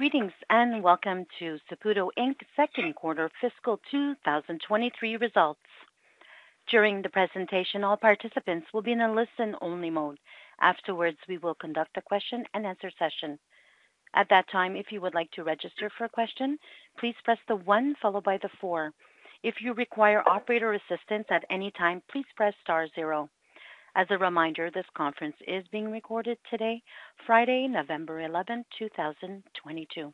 Greetings, and welcome to Saputo Inc.'s second quarter fiscal 2023 results. During the presentation, all participants will be in a listen-only mode. Afterwards, we will conduct a question-and-answer session. At that time, if you would like to register for a question, please press the one followed by the four. If you require operator assistance at any time, please press star zero. As a reminder, this conference is being recorded today, Friday, 11th November 2022.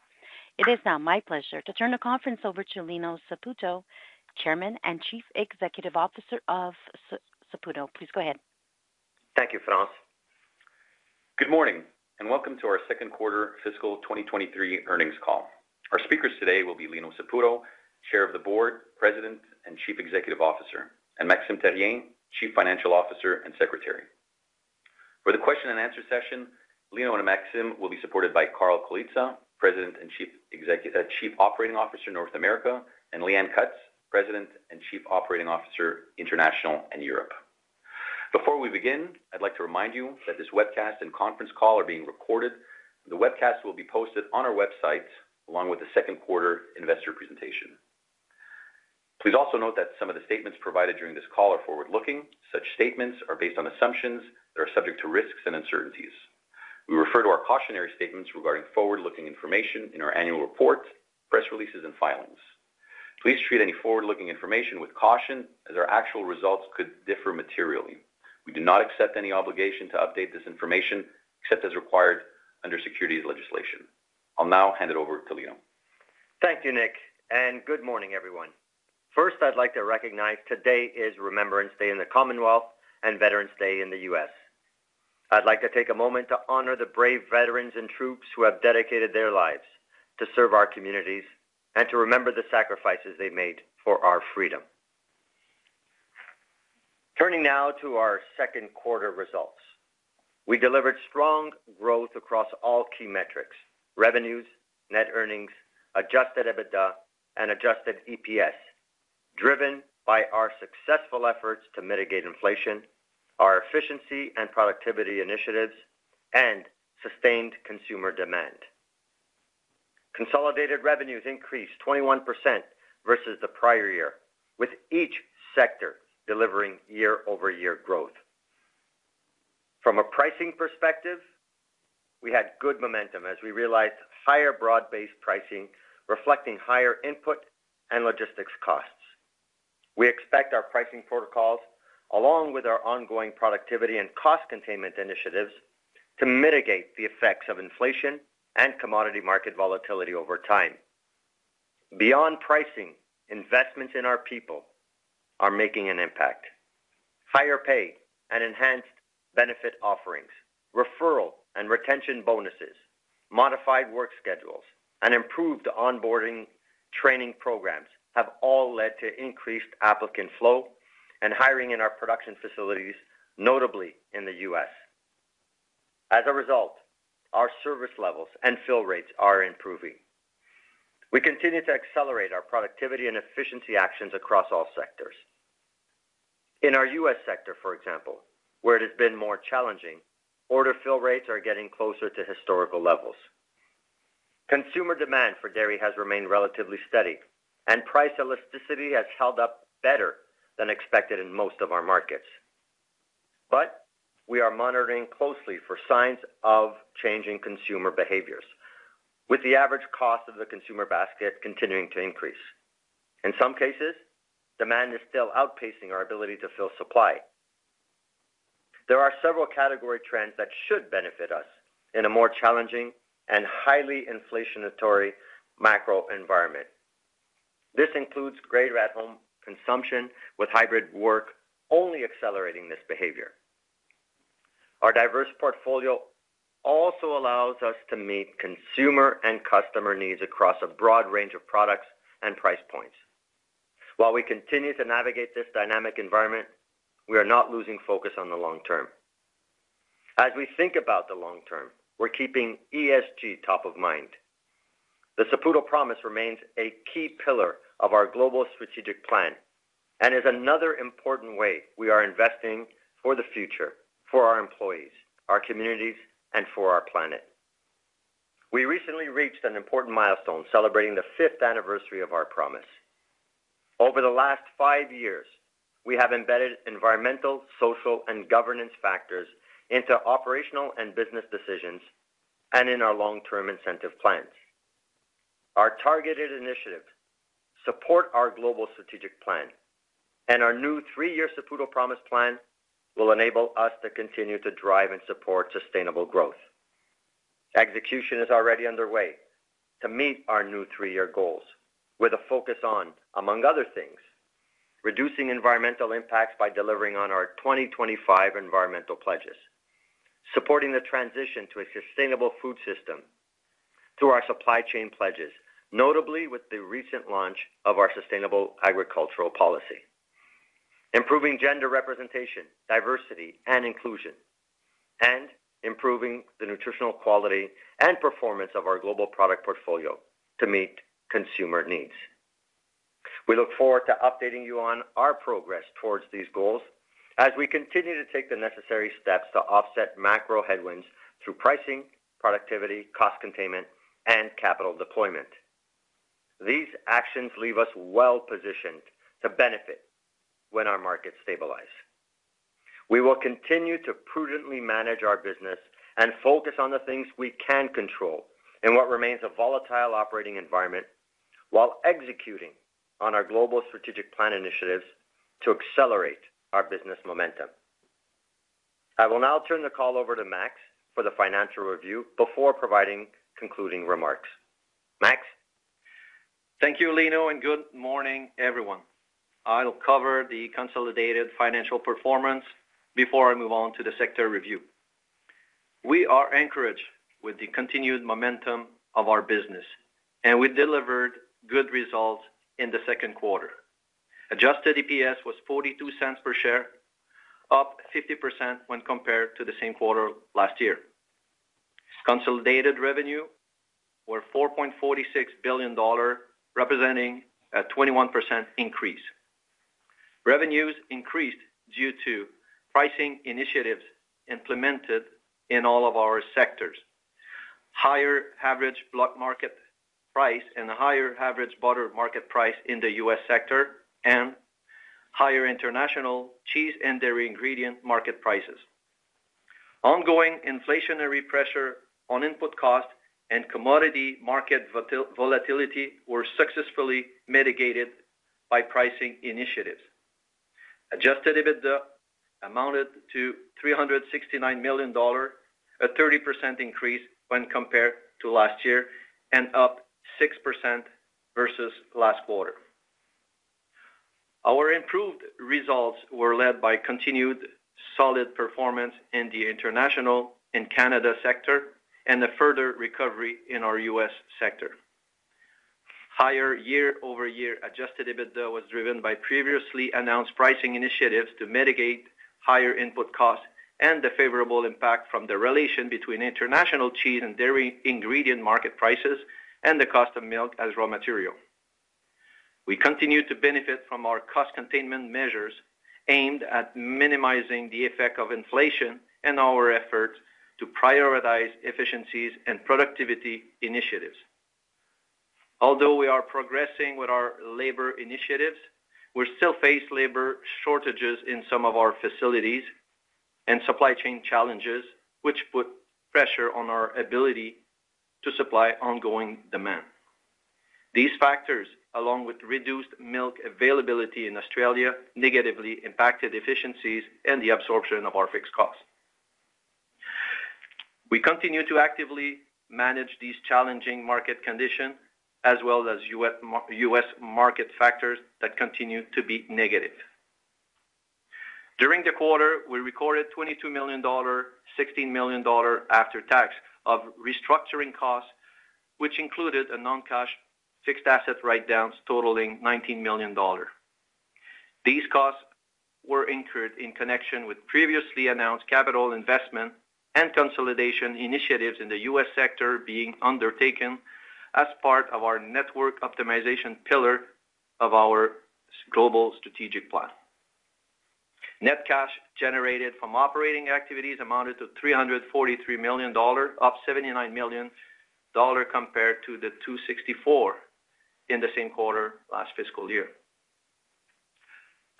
It is now my pleasure to turn the conference over to Lino Saputo, Chairman and Chief Executive Officer of Saputo. Please go ahead. Thank you, France. Good morning, and welcome to our second quarter fiscal 2023 earnings call. Our speakers today will be Lino Saputo, Chair of the Board, President and Chief Executive Officer, and Maxime Therrien, Chief Financial Officer and Secretary. For the question and answer session, Lino and Maxime will be supported by Carl Colizza, President and Chief Operating Officer in North America, and Leanne Cutts, President and Chief Operating Officer, International and Europe. Before we begin, I'd like to remind you that this webcast and conference call are being recorded. The webcast will be posted on our website along with the second quarter investor presentation. Please also note that some of the statements provided during this call are forward-looking. Such statements are based on assumptions that are subject to risks and uncertainties. We refer to our cautionary statements regarding forward-looking information in our annual report, press releases, and filings. Please treat any forward-looking information with caution as our actual results could differ materially. We do not accept any obligation to update this information, except as required under securities legislation. I'll now hand it over to Lino. Thank you, Nick, and good morning, everyone. First, I'd like to recognize today is Remembrance Day in the Commonwealth and Veterans Day in the U.S. I'd like to take a moment to honor the brave veterans and troops who have dedicated their lives to serve our communities and to remember the sacrifices they made for our freedom. Turning now to our second quarter results. We delivered strong growth across all key metrics, revenues, net earnings, Adjusted EBITDA, and Adjusted EPS, driven by our successful efforts to mitigate inflation, our efficiency and productivity initiatives and sustained consumer demand. Consolidated revenues increased 21% versus the prior year, with each sector delivering year-over-year growth. From a pricing perspective, we had good momentum as we realized higher broad-based pricing, reflecting higher input and logistics costs. We expect our pricing protocols, along with our ongoing productivity and cost containment initiatives, to mitigate the effects of inflation and commodity market volatility over time. Beyond pricing, investments in our people are making an impact. Higher pay and enhanced benefit offerings, referral and retention bonuses, modified work schedules, and improved onboarding training programs have all led to increased applicant flow and hiring in our production facilities, notably in the U.S. As a result, our service levels and fill rates are improving. We continue to accelerate our productivity and efficiency actions across all sectors. In our US sector, for example, where it has been more challenging, order fill rates are getting closer to historical levels. Consumer demand for dairy has remained relatively steady, and price elasticity has held up better than expected in most of our markets. We are monitoring closely for signs of changing consumer behaviors, with the average cost of the consumer basket continuing to increase. In some cases, demand is still outpacing our ability to fill supply. There are several category trends that should benefit us in a more challenging and highly inflationary macro environment. This includes greater at-home consumption with hybrid work only accelerating this behavior. Our diverse portfolio also allows us to meet consumer and customer needs across a broad range of products and price points. While we continue to navigate this dynamic environment, we are not losing focus on the long term. As we think about the long term, we're keeping ESG top of mind. The Saputo Promise remains a key pillar of our global strategic plan and is another important way we are investing for the future for our employees, our communities, and for our planet. We recently reached an important milestone celebrating the fifth anniversary of our promise. Over the last five years, we have embedded environmental, social, and governance factors into operational and business decisions and in our long-term incentive plans. Our targeted initiatives support our global strategic plan, and our new three-year Saputo Promise plan will enable us to continue to drive and support sustainable growth. Execution is already underway to meet our new three-year goals with a focus on, among other things, reducing environmental impacts by delivering on our 2025 environmental pledges, supporting the transition to a sustainable food system through our supply chain pledges, notably with the recent launch of our sustainable agricultural policy, improving gender representation, diversity, and inclusion, and improving the nutritional quality and performance of our global product portfolio to meet consumer needs. We look forward to updating you on our progress towards these goals as we continue to take the necessary steps to offset macro headwinds through pricing, productivity, cost containment, and capital deployment. These actions leave us well-positioned to benefit when our markets stabilize. We will continue to prudently manage our business and focus on the things we can control in what remains a volatile operating environment while executing on our global strategic plan initiatives to accelerate our business momentum. I will now turn the call over to Max for the financial review before providing concluding remarks. Max? Thank you, Lino, and good morning, everyone. I'll cover the consolidated financial performance before I move on to the sector review. We are encouraged with the continued momentum of our business, and we delivered good results in the second quarter. Adjusted EPS was 0.42 Per share, up 50% when compared to the same quarter last year. Consolidated revenue were 4.46 billion dollar, representing a 21% increase. Revenues increased due to pricing initiatives implemented in all of our sectors, higher average block market price and a higher average butter market price in the U.S. sector, and higher international cheese and dairy ingredient market prices. Ongoing inflationary pressure on input cost and commodity market volatility were successfully mitigated by pricing initiatives. Adjusted EBITDA amounted to CAD 369 million, a 30% increase when compared to last year and up 6% versus last quarter. Our improved results were led by continued solid performance in the international and Canada sector and a further recovery in our U.S. sector. Higher year-over-year adjusted EBITDA was driven by previously announced pricing initiatives to mitigate higher input costs and the favorable impact from the relation between international cheese and dairy ingredient market prices and the cost of milk as raw material. We continue to benefit from our cost containment measures aimed at minimizing the effect of inflation and our efforts to prioritize efficiencies and productivity initiatives. Although we are progressing with our labor initiatives, we still face labor shortages in some of our facilities and supply chain challenges, which put pressure on our ability to supply ongoing demand. These factors, along with reduced milk availability in Australia, negatively impacted efficiencies and the absorption of our fixed costs. We continue to actively manage these challenging market conditions as well as US market factors that continue to be negative. During the quarter, we recorded 22 million dollar, 16 million dollar after tax of restructuring costs, which included a non-cash fixed asset write-downs totaling 19 million dollars. These costs were incurred in connection with previously announced capital investment and consolidation initiatives in the U.S. sector being undertaken as part of our network optimization pillar of our Saputo global strategic plan. Net cash generated from operating activities amounted to 343 million dollars, up 79 million dollars compared to the 264 in the same quarter last fiscal year.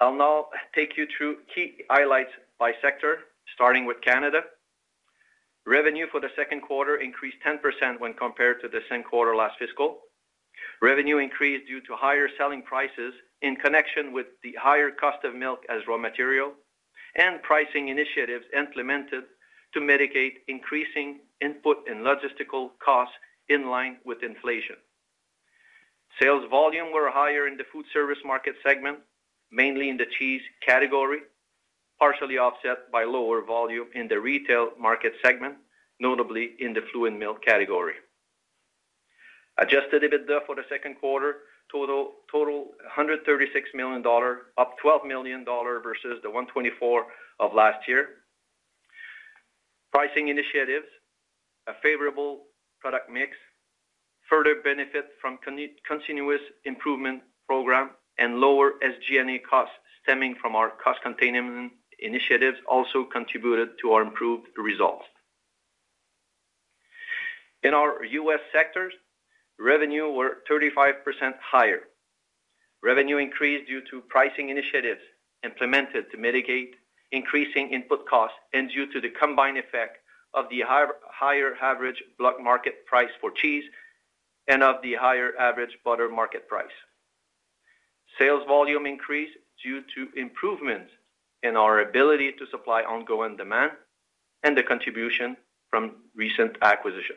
I'll now take you through key highlights by sector, starting with Canada. Revenue for the second quarter increased 10% when compared to the same quarter last fiscal. Revenue increased due to higher selling prices in connection with the higher cost of milk as raw material and pricing initiatives implemented to mitigate increasing input and logistical costs in line with inflation. Sales volume were higher in the food service market segment, mainly in the cheese category, partially offset by lower volume in the retail market segment, notably in the fluid milk category. Adjusted EBITDA for the second quarter total 136 million dollar, up 12 million dollar versus the 124 of last year. Pricing initiatives, a favorable product mix, further benefit from continuous improvement program and lower SG&A costs stemming from our cost containment initiatives also contributed to our improved results. In our U.S. sectors, revenue were 35% higher. Revenue increased due to pricing initiatives implemented to mitigate increasing input costs and due to the combined effect of the higher average block market price for cheese and of the higher average butter market price. Sales volume increased due to improvements in our ability to supply ongoing demand and the contribution from recent acquisition.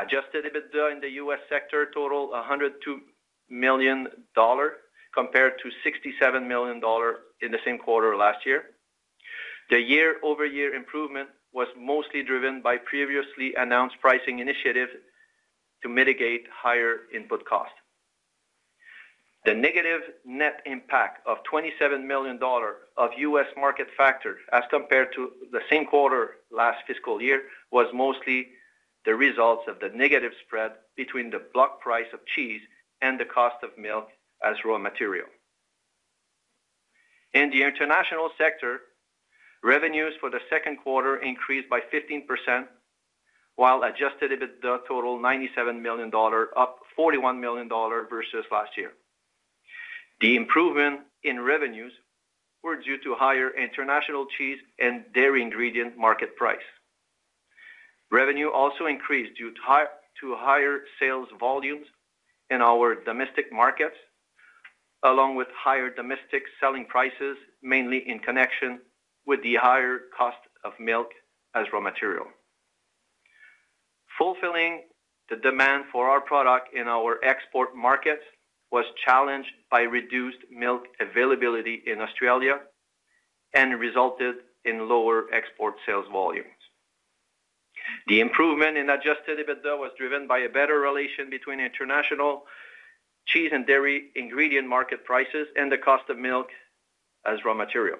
Adjusted EBITDA in the U.S. sector totaled $102 million compared to $67 million in the same quarter last year. The year-over-year improvement was mostly driven by previously announced pricing initiatives to mitigate higher input costs. The negative net impact of $27 million of U.S. market factors as compared to the same quarter last fiscal year was mostly the results of the negative spread between the block price of cheese and the cost of milk as raw material. In the international sector, revenues for the second quarter increased by 15%, while Adjusted EBITDA totaled CAD 97 million, up CAD 41 million versus last year. The improvement in revenues were due to higher international cheese and dairy ingredient market price. Revenue also increased due to higher sales volumes in our domestic markets, along with higher domestic selling prices, mainly in connection with the higher cost of milk as raw material. Fulfilling the demand for our product in our export markets was challenged by reduced milk availability in Australia and resulted in lower export sales volumes. The improvement in Adjusted EBITDA was driven by a better relation between international cheese and dairy ingredient market prices and the cost of milk as raw material.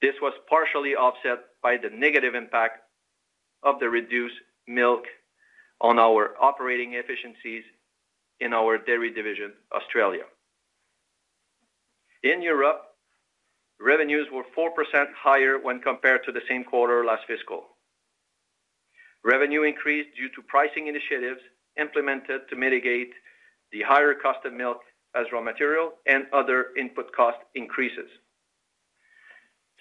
This was partially offset by the negative impact of the reduced milk on our operating efficiencies in our dairy division, Australia. In Europe, revenues were 4% higher when compared to the same quarter last fiscal. Revenue increased due to pricing initiatives implemented to mitigate the higher cost of milk as raw material and other input cost increases.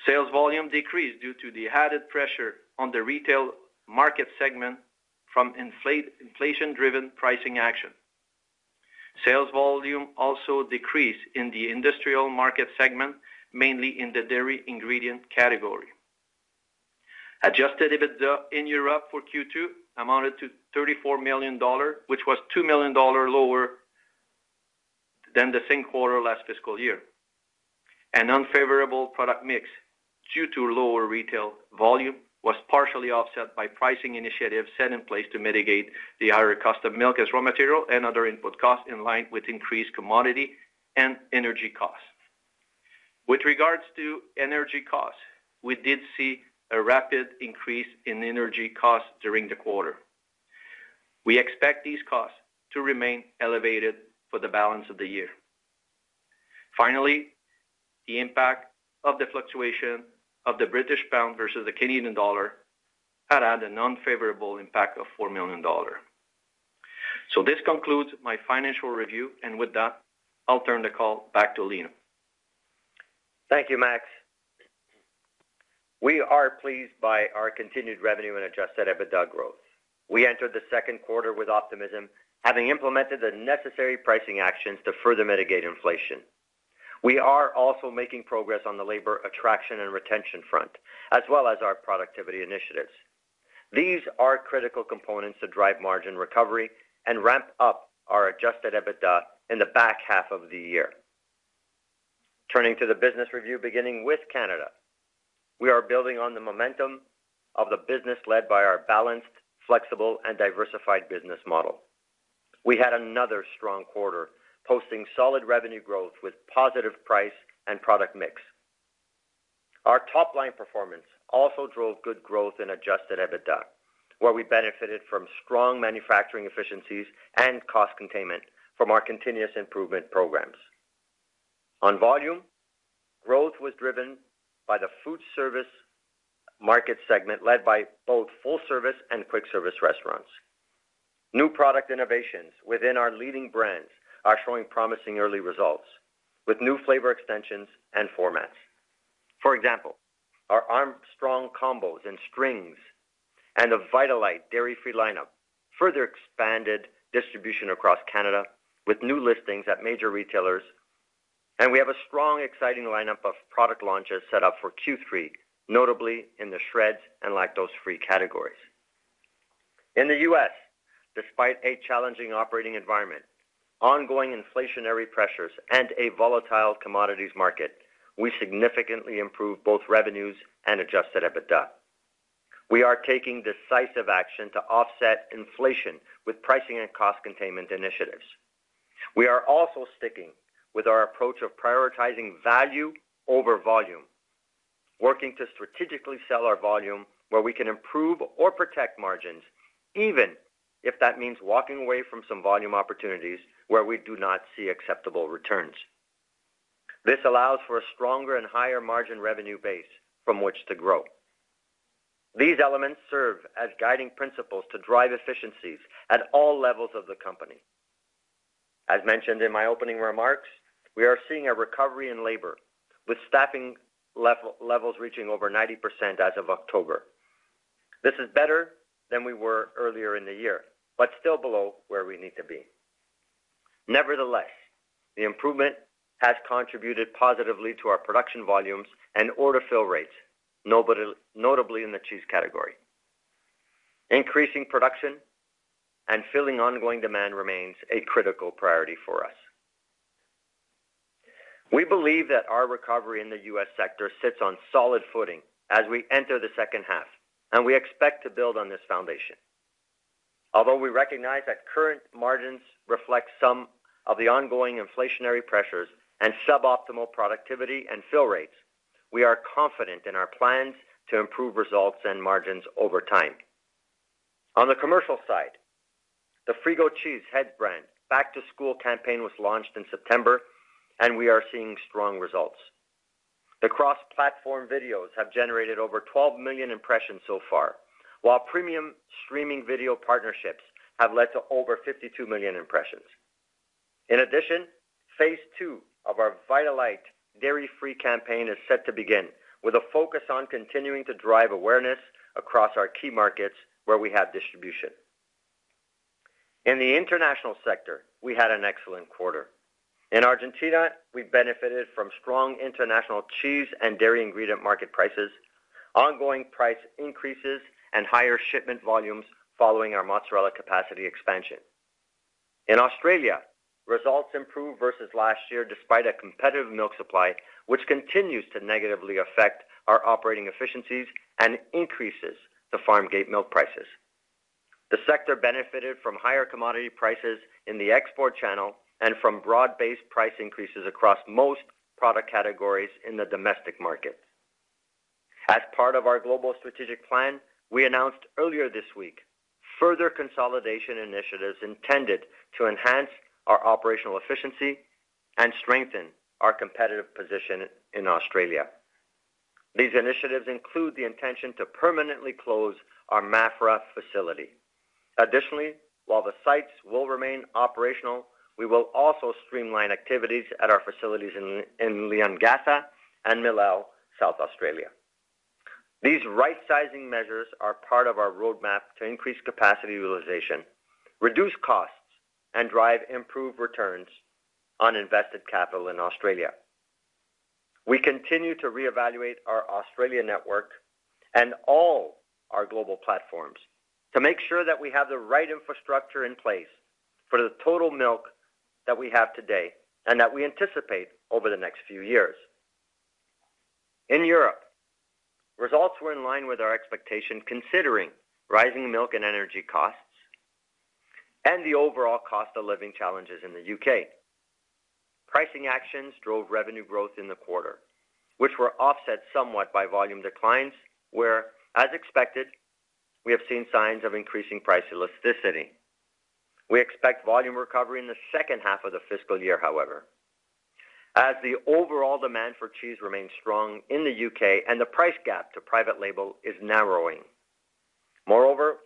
Sales volume decreased due to the added pressure on the retail market segment from inflation-driven pricing action. Sales volume also decreased in the industrial market segment, mainly in the dairy ingredient category. Adjusted EBITDA in Europe for Q2 amounted to 34 million dollars, which was 2 million dollars lower than the same quarter last fiscal year. An unfavorable product mix due to lower retail volume was partially offset by pricing initiatives set in place to mitigate the higher cost of milk as raw material and other input costs in line with increased commodity and energy costs. With regards to energy costs, we did see a rapid increase in energy costs during the quarter. We expect these costs to remain elevated for the balance of the year. Finally, the impact of the fluctuation of the British pound versus the Canadian dollar had an unfavorable impact of 4 million dollars. This concludes my financial review, and with that, I'll turn the call back to Lino. Thank you, Max. We are pleased by our continued revenue and Adjusted EBITDA growth. We entered the second quarter with optimism, having implemented the necessary pricing actions to further mitigate inflation. We are also making progress on the labor attraction and retention front, as well as our productivity initiatives. These are critical components to drive margin recovery and ramp up our Adjusted EBITDA in the back half of the year. Turning to the business review, beginning with Canada. We are building on the momentum of the business led by our balanced, flexible, and diversified business model. We had another strong quarter, posting solid revenue growth with positive price and product mix. Our top-line performance also drove good growth in Adjusted EBITDA, where we benefited from strong manufacturing efficiencies and cost containment from our continuous improvement programs. On volume, growth was driven by the food service market segment, led by both full-service and quick-service restaurants. New product innovations within our leading brands are showing promising early results with new flavor extensions and formats. For example, our Armstrong Combos and Strings and the Vitalite Dairy Free lineup further expanded distribution across Canada with new listings at major retailers, and we have a strong, exciting lineup of product launches set up for Q3, notably in the Shreds and lactose-free categories. In the U.S., despite a challenging operating environment, ongoing inflationary pressures, and a volatile commodities market, we significantly improved both revenues and Adjusted EBITDA. We are taking decisive action to offset inflation with pricing and cost containment initiatives. We are also sticking with our approach of prioritizing value over volume, working to strategically sell our volume where we can improve or protect margins, even if that means walking away from some volume opportunities where we do not see acceptable returns. This allows for a stronger and higher margin revenue base from which to grow. These elements serve as guiding principles to drive efficiencies at all levels of the company. As mentioned in my opening remarks, we are seeing a recovery in labor with staffing levels reaching over 90% as of October. This is better than we were earlier in the year, but still below where we need to be. Nevertheless, the improvement has contributed positively to our production volumes and order fill rates, notably in the cheese category. Increasing production and filling ongoing demand remains a critical priority for us. We believe that our recovery in the U.S. sector sits on solid footing as we enter the second half, and we expect to build on this foundation. Although we recognize that current margins reflect some of the ongoing inflationary pressures and suboptimal productivity and fill rates, we are confident in our plans to improve results and margins over time. On the commercial side, the Frigo Cheese Heads brand back-to-school campaign was launched in September, and we are seeing strong results. The cross-platform videos have generated over 12 million impressions so far, while premium streaming video partnerships have led to over 52 million impressions. In addition, phase two of our Vitalite Dairy Free campaign is set to begin with a focus on continuing to drive awareness across our key markets where we have distribution. In the international sector, we had an excellent quarter. In Argentina, we benefited from strong international cheese and dairy ingredient market prices, ongoing price increases, and higher shipment volumes following our mozzarella capacity expansion. In Australia, results improved versus last year despite a competitive milk supply, which continues to negatively affect our operating efficiencies and increases the farm gate milk prices. The sector benefited from higher commodity prices in the export channel and from broad-based price increases across most product categories in the domestic market. As part of our global strategic plan, we announced earlier this week further consolidation initiatives intended to enhance our operational efficiency and strengthen our competitive position in Australia. These initiatives include the intention to permanently close our Maffra facility. Additionally, while the sites will remain operational, we will also streamline activities at our facilities in Leongatha and Mil-Lel, South Australia. These right-sizing measures are part of our roadmap to increase capacity utilization, reduce costs, and drive improved returns on invested capital in Australia. We continue to reevaluate our Australian network and all our global platforms to make sure that we have the right infrastructure in place for the total milk that we have today and that we anticipate over the next few years. In Europe, results were in line with our expectation, considering rising milk and energy costs and the overall cost of living challenges in the U.K. Pricing actions drove revenue growth in the quarter, which were offset somewhat by volume declines, where, as expected, we have seen signs of increasing price elasticity. We expect volume recovery in the second half of the fiscal year, however. As the overall demand for cheese remains strong in the U.K. and the price gap to private label is narrowing. Moreover,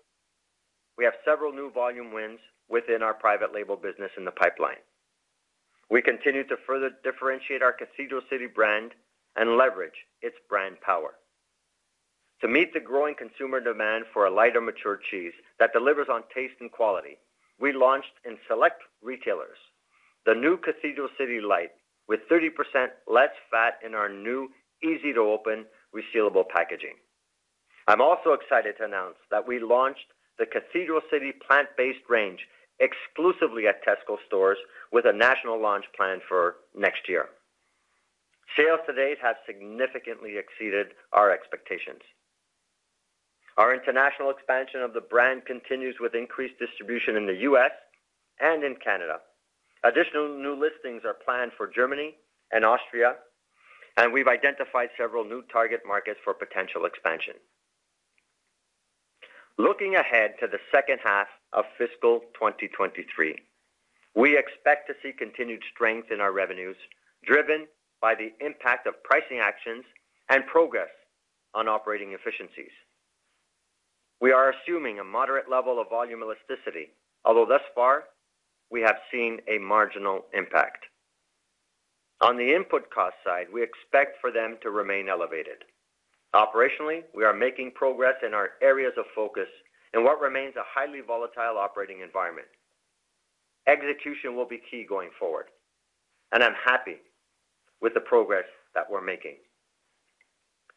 we have several new volume wins within our private label business in the pipeline. We continue to further differentiate our Cathedral City brand and leverage its brand power. To meet the growing consumer demand for a lighter mature cheese that delivers on taste and quality, we launched in select retailers the new Cathedral City Lighter with 30% less fat in our new easy-to-open resealable packaging. I'm also excited to announce that we launched the Cathedral City Plant Based range exclusively at Tesco stores with a national launch plan for next year. Sales to date have significantly exceeded our expectations. Our international expansion of the brand continues with increased distribution in the U.S. and in Canada. Additional new listings are planned for Germany and Austria, and we've identified several new target markets for potential expansion. Looking ahead to the second half of fiscal 2023, we expect to see continued strength in our revenues, driven by the impact of pricing actions and progress on operating efficiencies. We are assuming a moderate level of volume elasticity, although thus far, we have seen a marginal impact. On the input cost side, we expect for them to remain elevated. Operationally, we are making progress in our areas of focus in what remains a highly volatile operating environment. Execution will be key going forward, and I'm happy with the progress that we're making.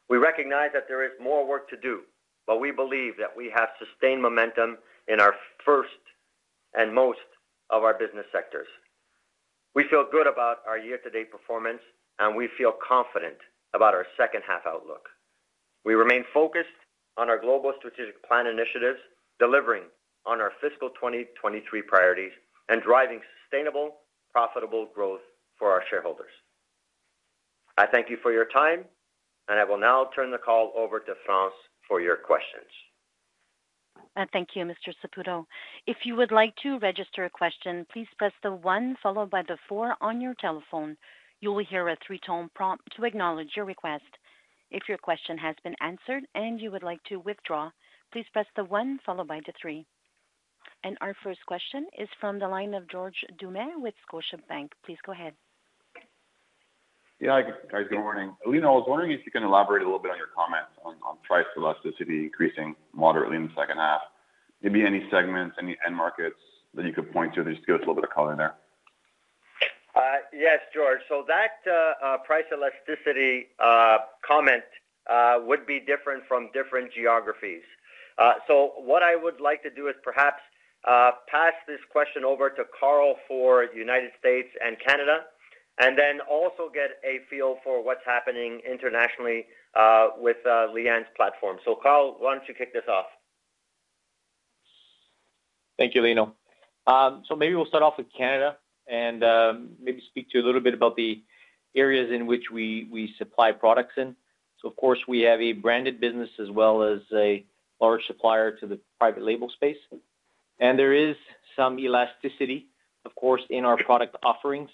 We recognize that there is more work to do, but we believe that we have sustained momentum in our first and most of our business sectors. We feel good about our year-to-date performance, and we feel confident about our second-half outlook. We remain focused on our global strategic plan initiatives, delivering on our fiscal 2023 priorities and driving sustainable, profitable growth for our shareholders. I thank you for your time, and I will now turn the call over to France for your questions. Thank you, Mr. Saputo. If you would like to register a question, please press the one followed by the four on your telephone. You will hear a three-tone prompt to acknowledge your request. If your question has been answered and you would like to withdraw, please press the one followed by the three. Our first question is from the line of John Zamparo with Scotiabank. Please go ahead. Yeah, guys, good morning. Lino, I was wondering if you can elaborate a little bit on your comments on price elasticity increasing moderately in the second half. Maybe any segments, any end markets that you could point to just give us a little bit of color there? Yes, George. That price elasticity comment would be different from different geographies. What I would like to do is perhaps pass this question over to Carl for United States and Canada. Then also get a feel for what's happening internationally, with Leanne's platform. Carl, why don't you kick this off? Thank you, Lino. Maybe we'll start off with Canada and maybe speak to you a little bit about the areas in which we supply products in. Of course, we have a branded business as well as a large supplier to the private label space. There is some elasticity, of course, in our product offerings.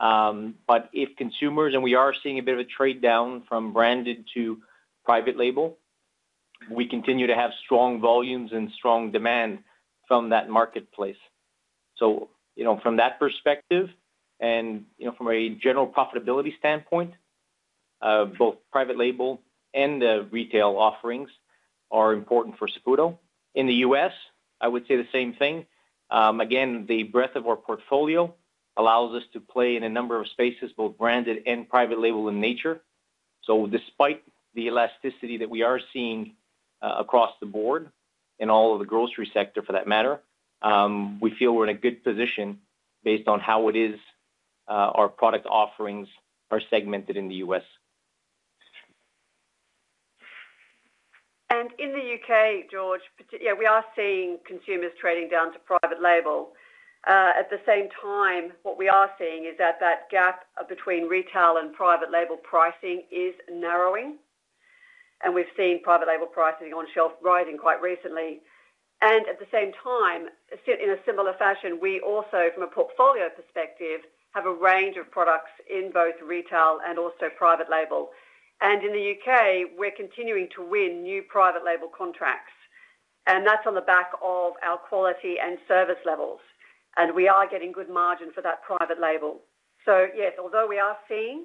If consumers and we are seeing a bit of a trade-down from branded to private label, we continue to have strong volumes and strong demand from that marketplace. You know, from that perspective and you know, from a general profitability standpoint, both private label and the retail offerings are important for Saputo. In the U.S., I would say the same thing. Again, the breadth of our portfolio allows us to play in a number of spaces, both branded and private label in nature. Despite the elasticity that we are seeing across the board in all of the grocery sector for that matter, we feel we're in a good position based on how it is, our product offerings are segmented in the U.S. In the U.K., John Zamparo, we are seeing consumers trading down to private label. At the same time, what we are seeing is that gap between retail and private label pricing is narrowing, and we've seen private label pricing on shelf rising quite recently. At the same time, in a similar fashion, we also, from a portfolio perspective, have a range of products in both retail and also private label. In the U.K., we're continuing to win new private label contracts, and that's on the back of our quality and service levels, and we are getting good margin for that private label. Yes, although we are seeing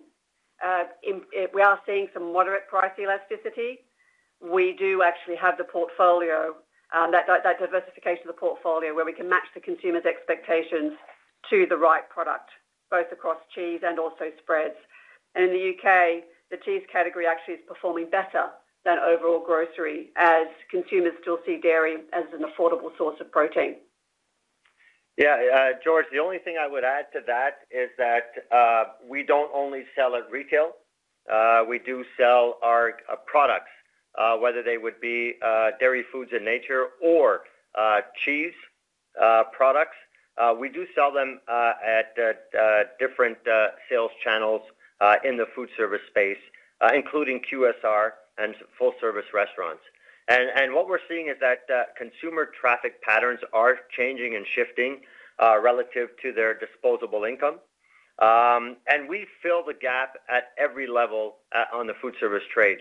some moderate price elasticity, we do actually have the portfolio, that diversification of the portfolio where we can match the consumer's expectations to the right product, both across cheese and also spreads. In the U.K., the cheese category actually is performing better than overall grocery as consumers still see dairy as an affordable source of protein. Yeah, John Zamparo, the only thing I would add to that is that we don't only sell at retail. We do sell our products, whether they would be dairy foods in nature or cheese products. We do sell them at different sales channels in the food service space, including QSR and full-service restaurants. What we're seeing is that consumer traffic patterns are changing and shifting relative to their disposable income. We fill the gap at every level on the food service trade.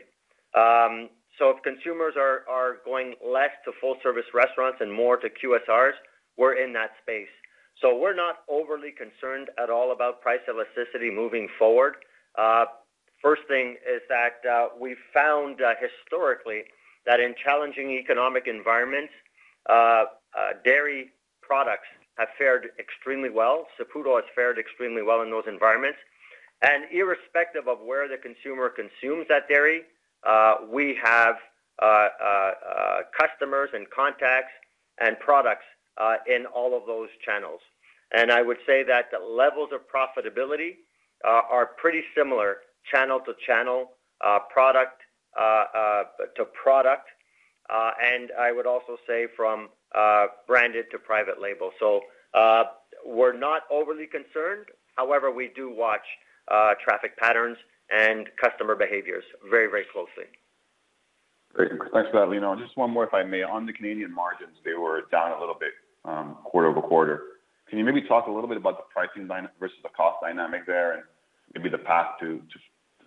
If consumers are going less to full service restaurants and more to QSRs, we're in that space. We're not overly concerned at all about price elasticity moving forward. First thing is that we found historically that in challenging economic environments dairy products have fared extremely well. Saputo has fared extremely well in those environments. Irrespective of where the consumer consumes that dairy, we have customers and contacts and products in all of those channels. I would say that the levels of profitability are pretty similar channel to channel, product to product, and I would also say from branded to private label. We're not overly concerned. However, we do watch traffic patterns and customer behaviors very, very closely. Great. Thanks for that, Lino. Just one more, if I may. On the Canadian margins, they were down a little bit quarter-over-quarter. Can you maybe talk a little bit about the pricing dynamic versus the cost dynamic there and maybe the path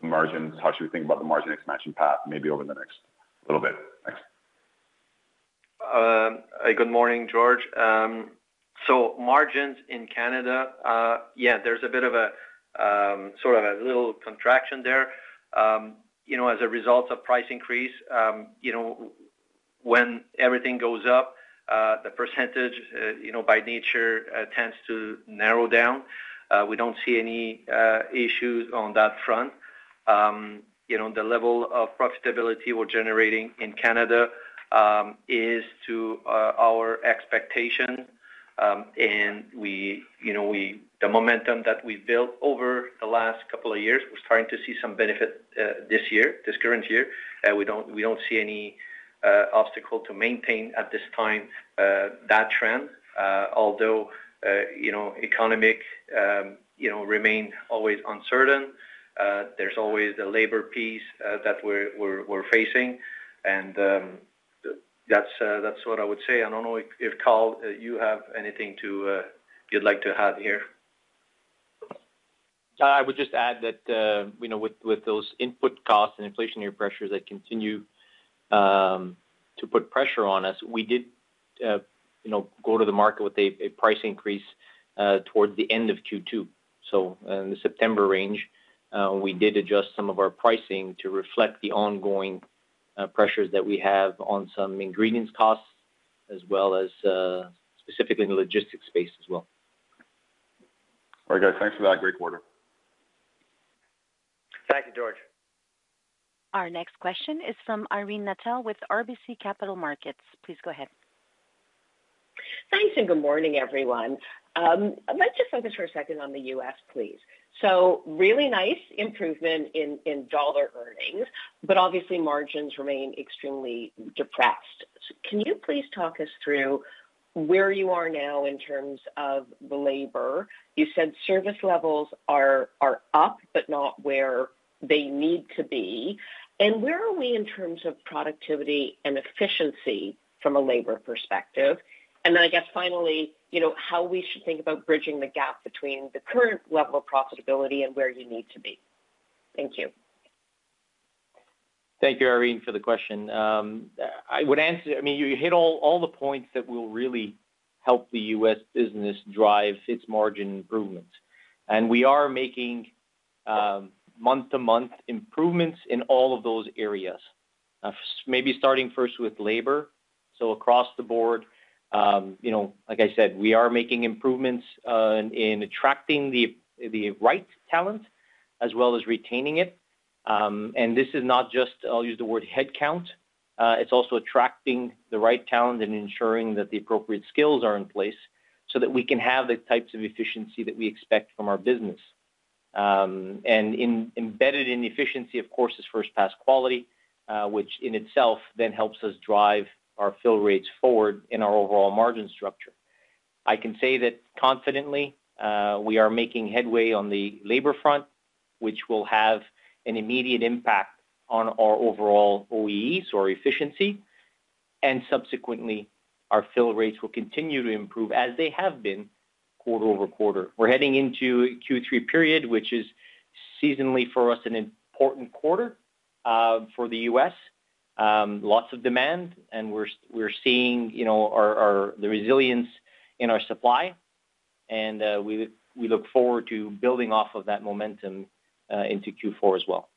to margins? How should we think about the margin expansion path maybe over the next little bit? Thanks. Good morning, John Zamparo. Margins in Canada, yeah, there's a bit of a sort of a little contraction there, you know, as a result of price increase. You know, when everything goes up, the percentage, you know, by nature tends to narrow down. We don't see any issues on that front. You know, the level of profitability we're generating in Canada is up to our expectation. You know, the momentum that we built over the last couple of years, we're starting to see some benefit, this year, this current year. We don't see any obstacle to maintain at this time that trend. Although, you know, economic, you know, remain always uncertain, there's always the labor piece that we're facing. That's what I would say. I don't know if, Carl, you have anything to, you'd like to add here. I would just add that, you know, with those input costs and inflationary pressures that continue to put pressure on us, we did, you know, go to the market with a price increase towards the end of Q2. In the September range, we did adjust some of our pricing to reflect the ongoing pressures that we have on some ingredients costs as well as, specifically in the logistics space as well. All right, guys. Thanks for that great quarter. Thank you, John Zamparo. Our next question is from Irene Nattel with RBC Capital Markets. Please go ahead. Good morning, everyone. Let's just focus for a second on the U.S., please. Really nice improvement in dollar earnings, but obviously margins remain extremely depressed. Can you please talk us through where you are now in terms of the labor? You said service levels are up, but not where they need to be. Where are we in terms of productivity and efficiency from a labor perspective? Then I guess finally, you know, how we should think about bridging the gap between the current level of profitability and where you need to be. Thank you. Thank you, Irene, for the question. I mean, you hit all the points that will really help the U.S. business drive its margin improvements. We are making month-to-month improvements in all of those areas. Maybe starting first with labor. Across the board, you know, like I said, we are making improvements in attracting the right talent as well as retaining it. This is not just, I'll use the word headcount, it's also attracting the right talent and ensuring that the appropriate skills are in place so that we can have the types of efficiency that we expect from our business. Embedded in efficiency, of course, is first pass quality, which in itself then helps us drive our fill rates forward in our overall margin structure. I can say that confidently, we are making headway on the labor front, which will have an immediate impact on our overall OEE or efficiency, and subsequently, our fill rates will continue to improve as they have been quarter-over-quarter. We're heading into a Q3 period, which is seasonally for us an important quarter, for the U.S. Lots of demand, and we're seeing, you know, the resilience in our supply, and we look forward to building off of that momentum into Q4 as well.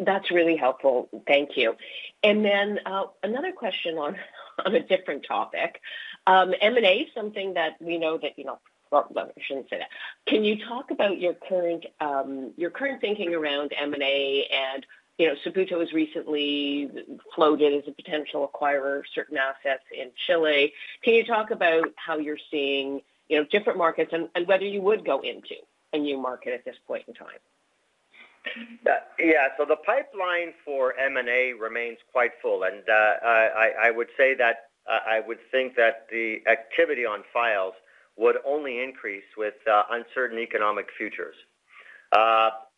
That's really helpful. Thank you. Another question on a different topic. M&A. Well, I shouldn't say that. Can you talk about your current thinking around M&A, and you know, Saputo has recently floated as a potential acquirer of certain assets in Chile. Can you talk about how you're seeing, you know, different markets and whether you would go into a new market at this point in time? Yeah. The pipeline for M&A remains quite full. I would say that I would think that the activity on files would only increase with uncertain economic futures.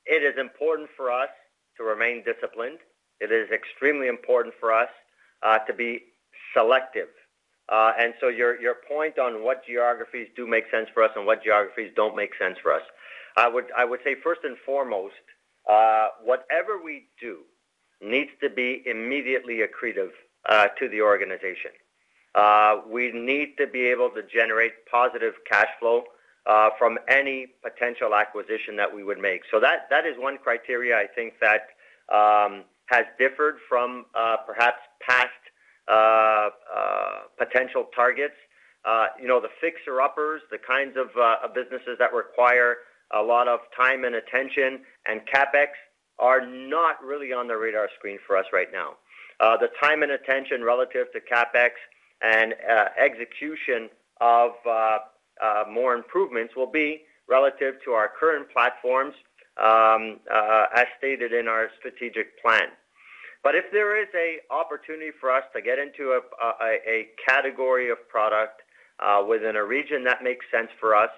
It is important for us to remain disciplined. It is extremely important for us to be selective. Your point on what geographies do make sense for us and what geographies don't make sense for us. I would say first and foremost, whatever we do needs to be immediately accretive to the organization. We need to be able to generate positive cash flow from any potential acquisition that we would make. That is one criteria I think that has differed from perhaps past potential targets. You know, the fixer-uppers, the kinds of businesses that require a lot of time and attention and CapEx are not really on the radar screen for us right now. The time and attention relative to CapEx and execution of more improvements will be relative to our current platforms, as stated in our strategic plan. If there is an opportunity for us to get into a category of product within a region that makes sense for us,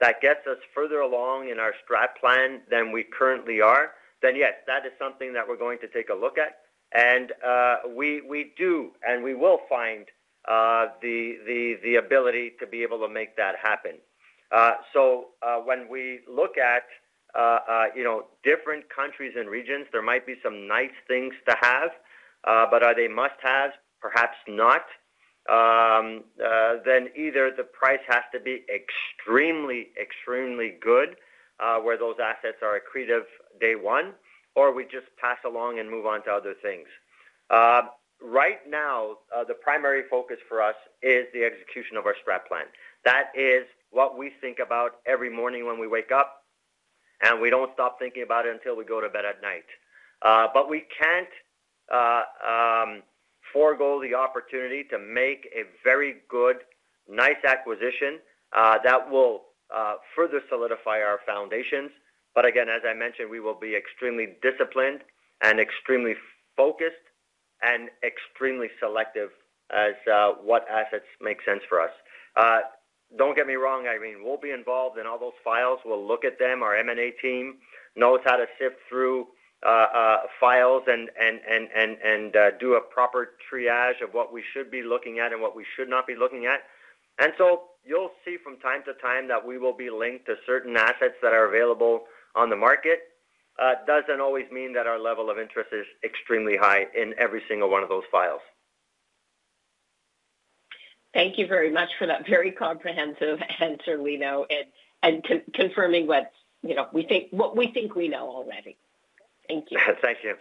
that gets us further along in our strat plan than we currently are, then yes, that is something that we're going to take a look at. We do, and we will find the ability to be able to make that happen. When we look at, you know, different countries and regions, there might be some nice things to have, but are they must-haves? Perhaps not. Either the price has to be extremely good where those assets are accretive day one, or we just pass along and move on to other things. Right now, the primary focus for us is the execution of our strat plan. That is what we think about every morning when we wake up, and we don't stop thinking about it until we go to bed at night. We can't forgo the opportunity to make a very good, nice acquisition that will further solidify our foundations. Again, as I mentioned, we will be extremely disciplined and extremely focused and extremely selective as what assets make sense for us. Don't get me wrong, Irene, we'll be involved in all those files. We'll look at them. Our M&A team knows how to sift through files and do a proper triage of what we should be looking at and what we should not be looking at. You'll see from time to time that we will be linked to certain assets that are available on the market. It doesn't always mean that our level of interest is extremely high in every single one of those files. Thank you very much for that very comprehensive answer, we know and confirming what, you know, we think we know already. Thank you. Thank you.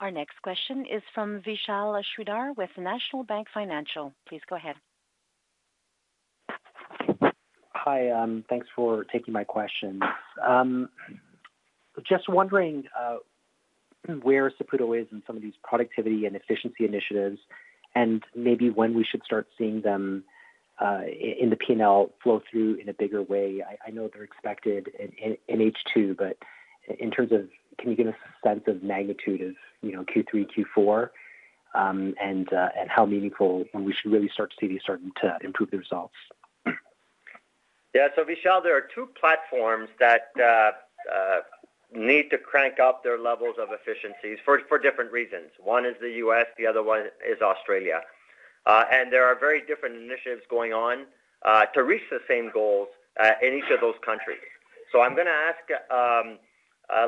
Our next question is from Vishal Shreedhar with National Bank Financial. Please go ahead. Hi, thanks for taking my questions. Just wondering, where Saputo is in some of these productivity and efficiency initiatives, and maybe when we should start seeing them, in the P&L flow through in a bigger way. I know they're expected in H2, but in terms of can you give us a sense of magnitude of, you know, Q3, Q4, and how meaningful when we should really start to see these starting to improve the results? Yeah. Vishal, there are two platforms that need to crank up their levels of efficiencies for different reasons. One is the US, the other one is Australia. There are very different initiatives going on to reach the same goals in each of those countries. I'm gonna ask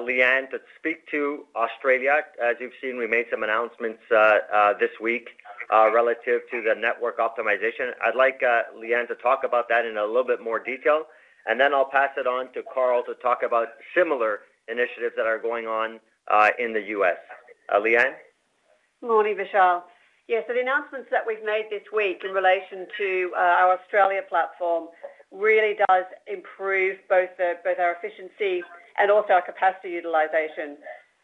Leanne to speak to Australia. As you've seen, we made some announcements this week relative to the network optimization. I'd like Leanne to talk about that in a little bit more detail, and then I'll pass it on to Carl to talk about similar initiatives that are going on in the US. Leanne? Morning, Vishal. Yeah. The announcements that we've made this week in relation to our Australia platform really does improve both our efficiency and also our capacity utilization.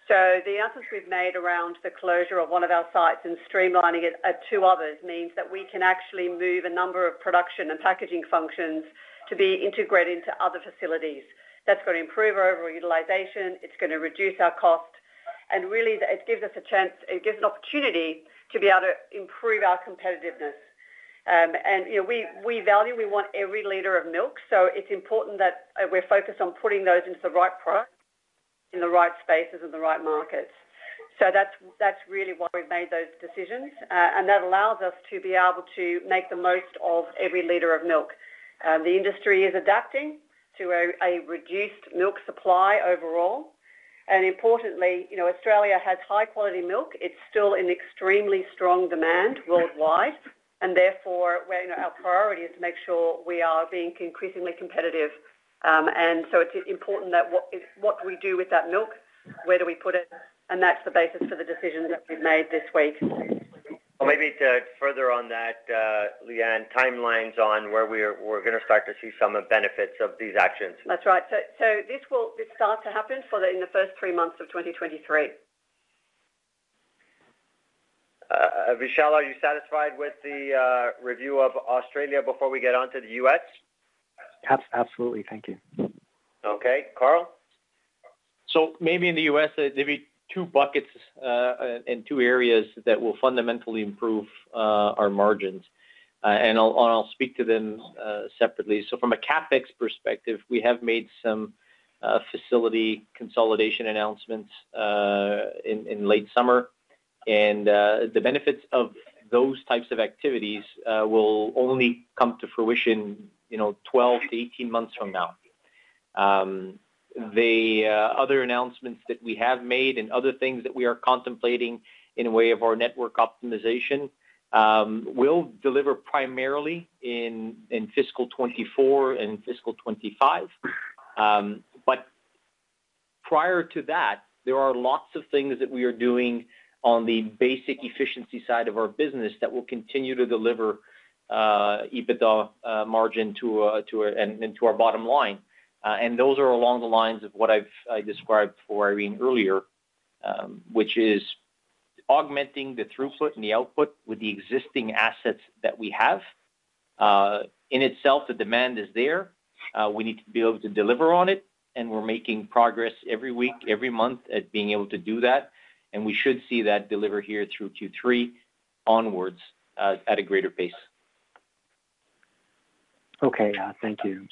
The announcements we've made around the closure of one of our sites and streamlining it at two others means that we can actually move a number of production and packaging functions to be integrated into other facilities. That's gonna improve our overall utilization, it's gonna reduce our cost, and really it gives an opportunity to be able to improve our competitiveness. You know, we value, we want every liter of milk, so it's important that we're focused on putting those into the right products in the right spaces and the right markets. That's really why we've made those decisions. That allows us to be able to make the most of every liter of milk. The industry is adapting to a reduced milk supply overall. Importantly, you know, Australia has high quality milk. It's still in extremely strong demand worldwide, and therefore we're you know, our priority is to make sure we are being increasingly competitive. It's important that what we do with that milk, where do we put it, and that's the basis for the decisions that we've made this week. Maybe to further on that, Leanne, timelines on where we're gonna start to see some of benefits of these actions. That's right. This starts to happen in the first three months of 2023. Vishal, are you satisfied with the review of Australia before we get on to the U.S.? Absolutely. Thank you. Okay. Carl? Maybe in the U.S., there'd be two buckets and two areas that will fundamentally improve our margins. I'll speak to them separately. From a CapEx perspective, we have made some facility consolidation announcements in late summer. The benefits of those types of activities will only come to fruition, you know, 12-18 months from now. The other announcements that we have made and other things that we are contemplating by way of our network optimization will deliver primarily in fiscal 2024 and fiscal 2025. Prior to that, there are lots of things that we are doing on the basic efficiency side of our business that will continue to deliver EBITDA margin to our bottom line. Those are along the lines of what I've described for Irene earlier, which is augmenting the throughput and the output with the existing assets that we have. In itself, the demand is there. We need to be able to deliver on it, and we're making progress every week, every month at being able to do that, and we should see that deliver here through Q3 onwards, at a greater pace. Okay. Thank you.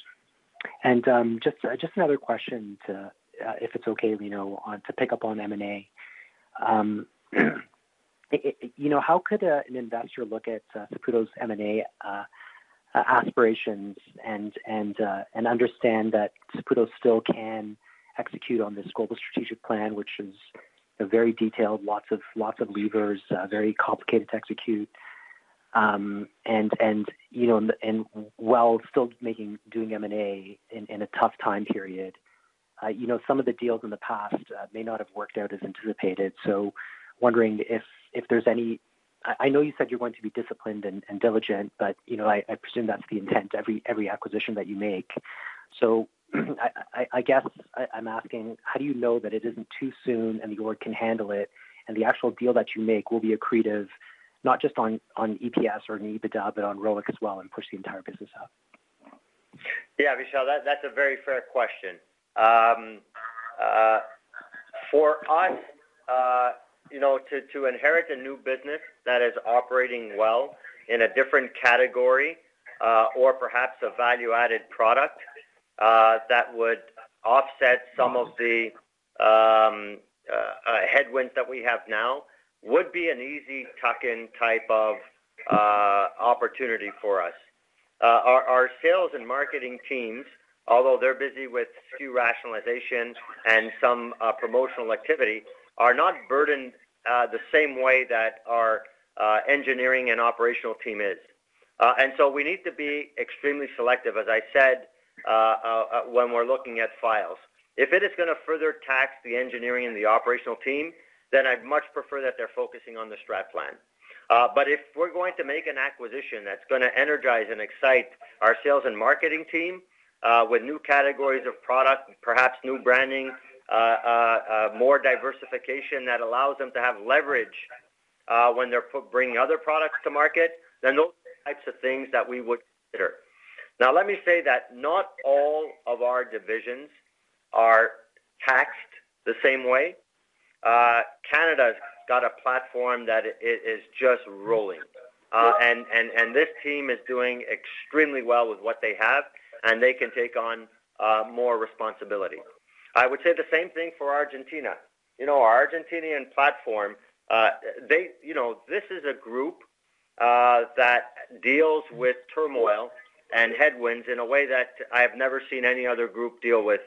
Just another question, if it's okay, you know, to pick up on M&A. You know, how could an investor look at Saputo's M&A aspirations and understand that Saputo still can execute on this global strategic plan, which is very detailed, lots of levers, very complicated to execute. You know, while still doing M&A in a tough time period, you know, some of the deals in the past may not have worked out as anticipated. Wondering if there's any. I know you said you're going to be disciplined and diligent, but, you know, I presume that's the intent every acquisition that you make. I guess I'm asking, how do you know that it isn't too soon and the org can handle it, and the actual deal that you make will be accretive, not just on EPS or on EBITDA, but on ROIC as well and push the entire business up? Yeah, Vishal, that's a very fair question. For us, you know, to inherit a new business that is operating well in a different category, or perhaps a value-added product, that would offset some of the headwinds that we have now would be an easy tuck-in type of opportunity for us. Our sales and marketing teams, although they're busy with SKU rationalization and some promotional activity, are not burdened the same way that our engineering and operational team is. We need to be extremely selective, as I said, when we're looking at files. If it is gonna further tax the engineering and the operational team, then I'd much prefer that they're focusing on the strat plan, but if we're going to make an acquisition that's gonna energize and excite our sales and marketing team, with new categories of product, perhaps new branding, more diversification that allows them to have leverage, when they're bringing other products to market, then those are the types of things that we would consider. Now let me say that not all of our divisions are taxed the same way. Canada's got a platform that is just rolling. This team is doing extremely well with what they have, and they can take on more responsibility. I would say the same thing for Argentina. You know, our Argentinian platform, they. You know, this is a group that deals with turmoil and headwinds in a way that I have never seen any other group deal with.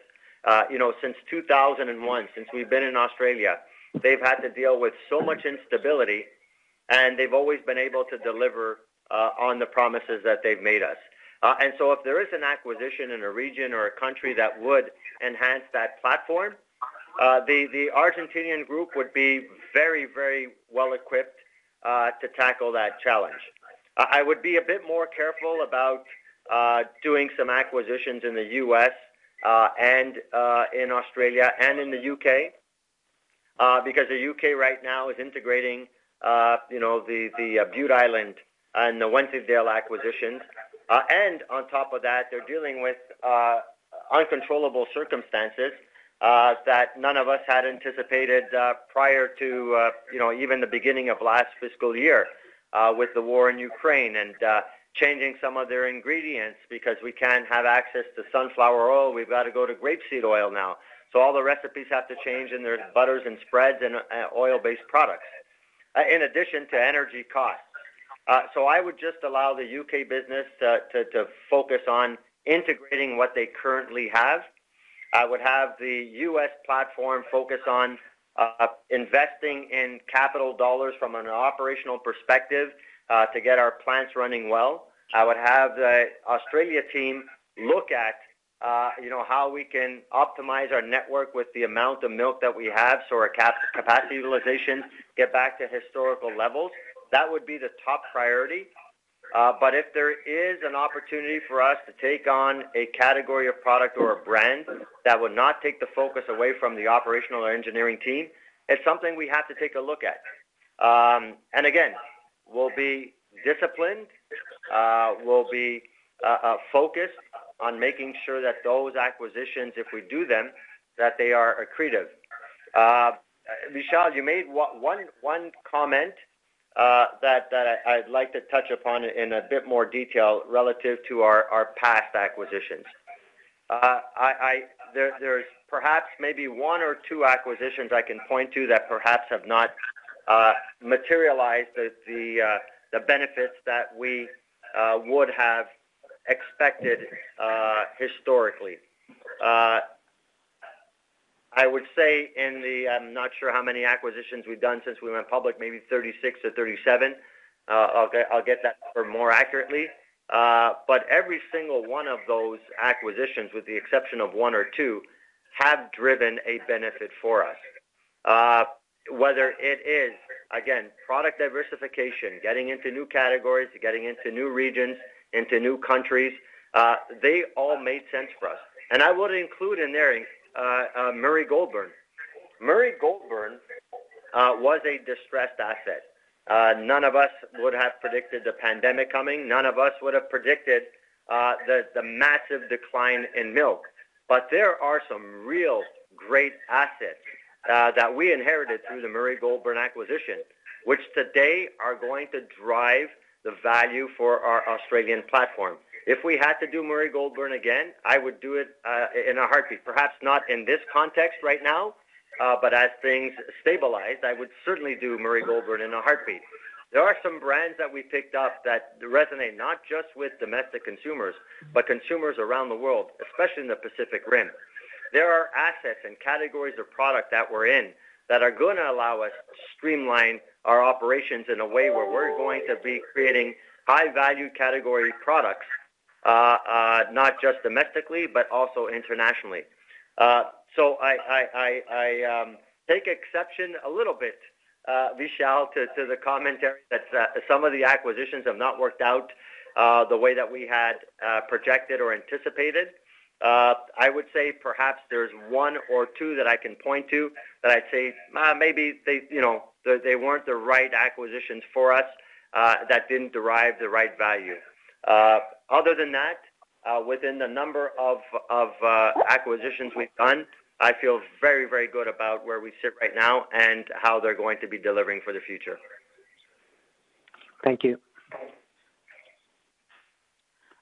You know, since 2001, since we've been in Australia, they've had to deal with so much instability, and they've always been able to deliver on the promises that they've made us. If there is an acquisition in a region or a country that would enhance that platform, the Argentinian group would be very, very well equipped to tackle that challenge. I would be a bit more careful about doing some acquisitions in the U.S., and in Australia and in the U.K., because the U.K. right now is integrating, you know, the Bute Island Foods and the Wensleydale acquisitions. On top of that, they're dealing with uncontrollable circumstances that none of us had anticipated prior to you know, even the beginning of last fiscal year, with the war in Ukraine and changing some of their ingredients because we can't have access to sunflower oil. We've got to go to grapeseed oil now. So all the recipes have to change in their butters and spreads and oil-based products, in addition to energy costs. So I would just allow the U.K. business to focus on integrating what they currently have. I would have the US platform focus on investing in capital dollars from an operational perspective to get our plants running well. I would have the Australia team look at, you know, how we can optimize our network with the amount of milk that we have so our capacity utilization get back to historical levels. That would be the top priority. If there is an opportunity for us to take on a category of product or a brand that would not take the focus away from the operational or engineering team, it's something we have to take a look at. Again, we'll be disciplined, we'll be focused on making sure that those acquisitions, if we do them, that they are accretive. Vishal, you made one comment that I'd like to touch upon in a bit more detail relative to our past acquisitions. There's perhaps maybe one or two acquisitions I can point to that perhaps have not materialized the benefits that we would have expected historically. I would say I'm not sure how many acquisitions we've done since we went public, maybe 36 or 37. I'll get that number more accurately. Every single one of those acquisitions, with the exception of one or two, have driven a benefit for us. Whether it is, again, product diversification, getting into new categories, getting into new regions, into new countries, they all made sense for us. I would include in there Murray Goulburn. Murray Goulburn was a distressed asset. None of us would have predicted the pandemic coming. None of us would have predicted the massive decline in milk. There are some real great assets that we inherited through the Murray Goulburn acquisition, which today are going to drive the value for our Australian platform. If we had to do Murray Goulburn again, I would do it in a heartbeat. Perhaps not in this context right now, but as things stabilize, I would certainly do Murray Goulburn in a heartbeat. There are some brands that we picked up that resonate not just with domestic consumers, but consumers around the world, especially in the Pacific Rim. There are assets and categories of product that we're in that are gonna allow us to streamline our operations in a way where we're going to be creating high value category products not just domestically, but also internationally. I take exception a little bit, Vishal, to the commentary that some of the acquisitions have not worked out the way that we had projected or anticipated. I would say perhaps there's one or two that I can point to that I'd say, maybe they, you know, weren't the right acquisitions for us, that didn't derive the right value. Other than that, within the number of acquisitions we've done, I feel very, very good about where we sit right now and how they're going to be delivering for the future. Thank you.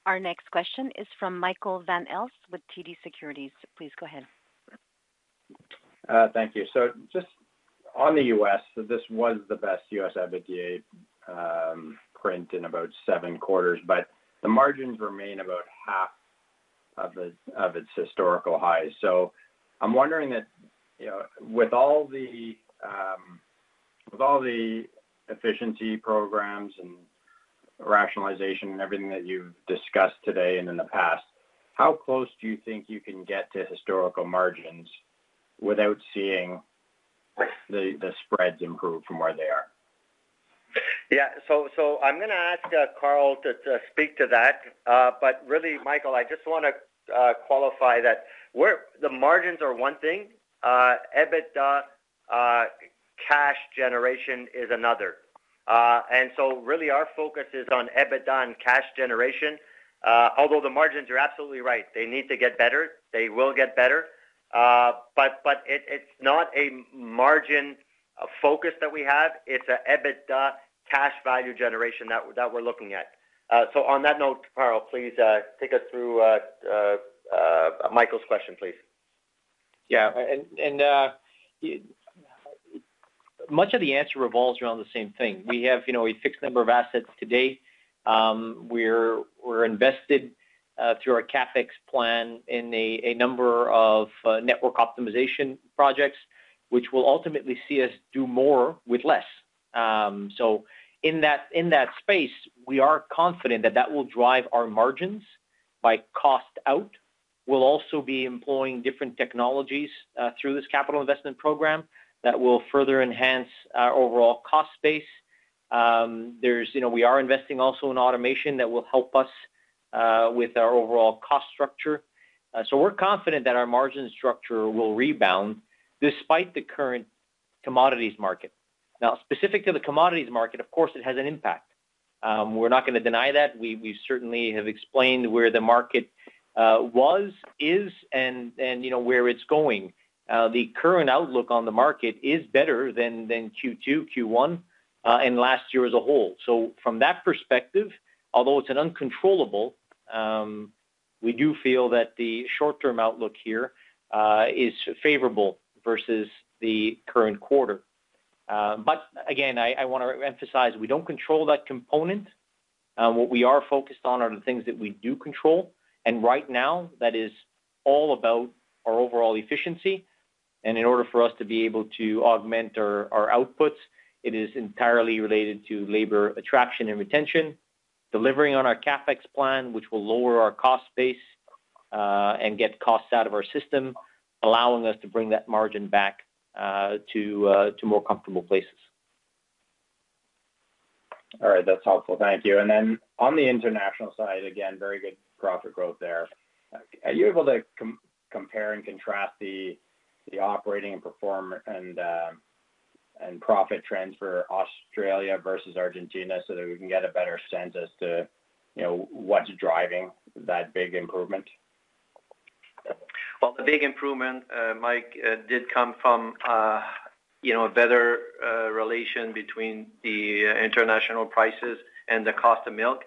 Our next question is from Michael Van Aelst with TD Securities. Please go ahead. Thank you. Just on the U.S., this was the best U.S. EBITDA print in about seven quarters, but the margins remain about half of its historical highs. I'm wondering if, you know, with all the efficiency programs and Rationalization and everything that you've discussed today and in the past, how close do you think you can get to historical margins without seeing the spreads improve from where they are? Yeah. I'm gonna ask Carl to speak to that. Really, Michael, I just wanna qualify that the margins are one thing, EBITDA, cash generation is another. Really our focus is on EBITDA and cash generation. Although the margins, you're absolutely right, they need to get better. They will get better. It's not a margin focus that we have. It's a EBITDA cash value generation that we're looking at. On that note, Carl, please, take us through Michael's question, please. Yeah. Much of the answer revolves around the same thing. We have, you know, a fixed number of assets today. We're invested through our CapEx plan in a number of network optimization projects, which will ultimately see us do more with less. In that space, we are confident that it will drive our margins by cost out. We'll also be employing different technologies through this capital investment program that will further enhance our overall cost base. You know, we are investing also in automation that will help us with our overall cost structure. We're confident that our margin structure will rebound despite the current commodities market. Now, specific to the commodities market, of course, it has an impact. We're not gonna deny that. We certainly have explained where the market was, is, and you know where it's going. The current outlook on the market is better than Q2, Q1, and last year as a whole. From that perspective, although it's an uncontrollable, we do feel that the short-term outlook here is favorable versus the current quarter. Again, I wanna emphasize, we don't control that component. What we are focused on are the things that we do control. Right now, that is all about our overall efficiency. In order for us to be able to augment our outputs, it is entirely related to labor attraction and retention, delivering on our CapEx plan, which will lower our cost base, and get costs out of our system, allowing us to bring that margin back to more comfortable places. All right. That's helpful. Thank you. Then on the international side, again, very good profit growth there. Are you able to compare and contrast the operating and profit trends for Australia versus Argentina so that we can get a better sense as to, you know, what's driving that big improvement? The big improvement, Mike, did come from, you know, a better relation between the international prices and the cost of milk.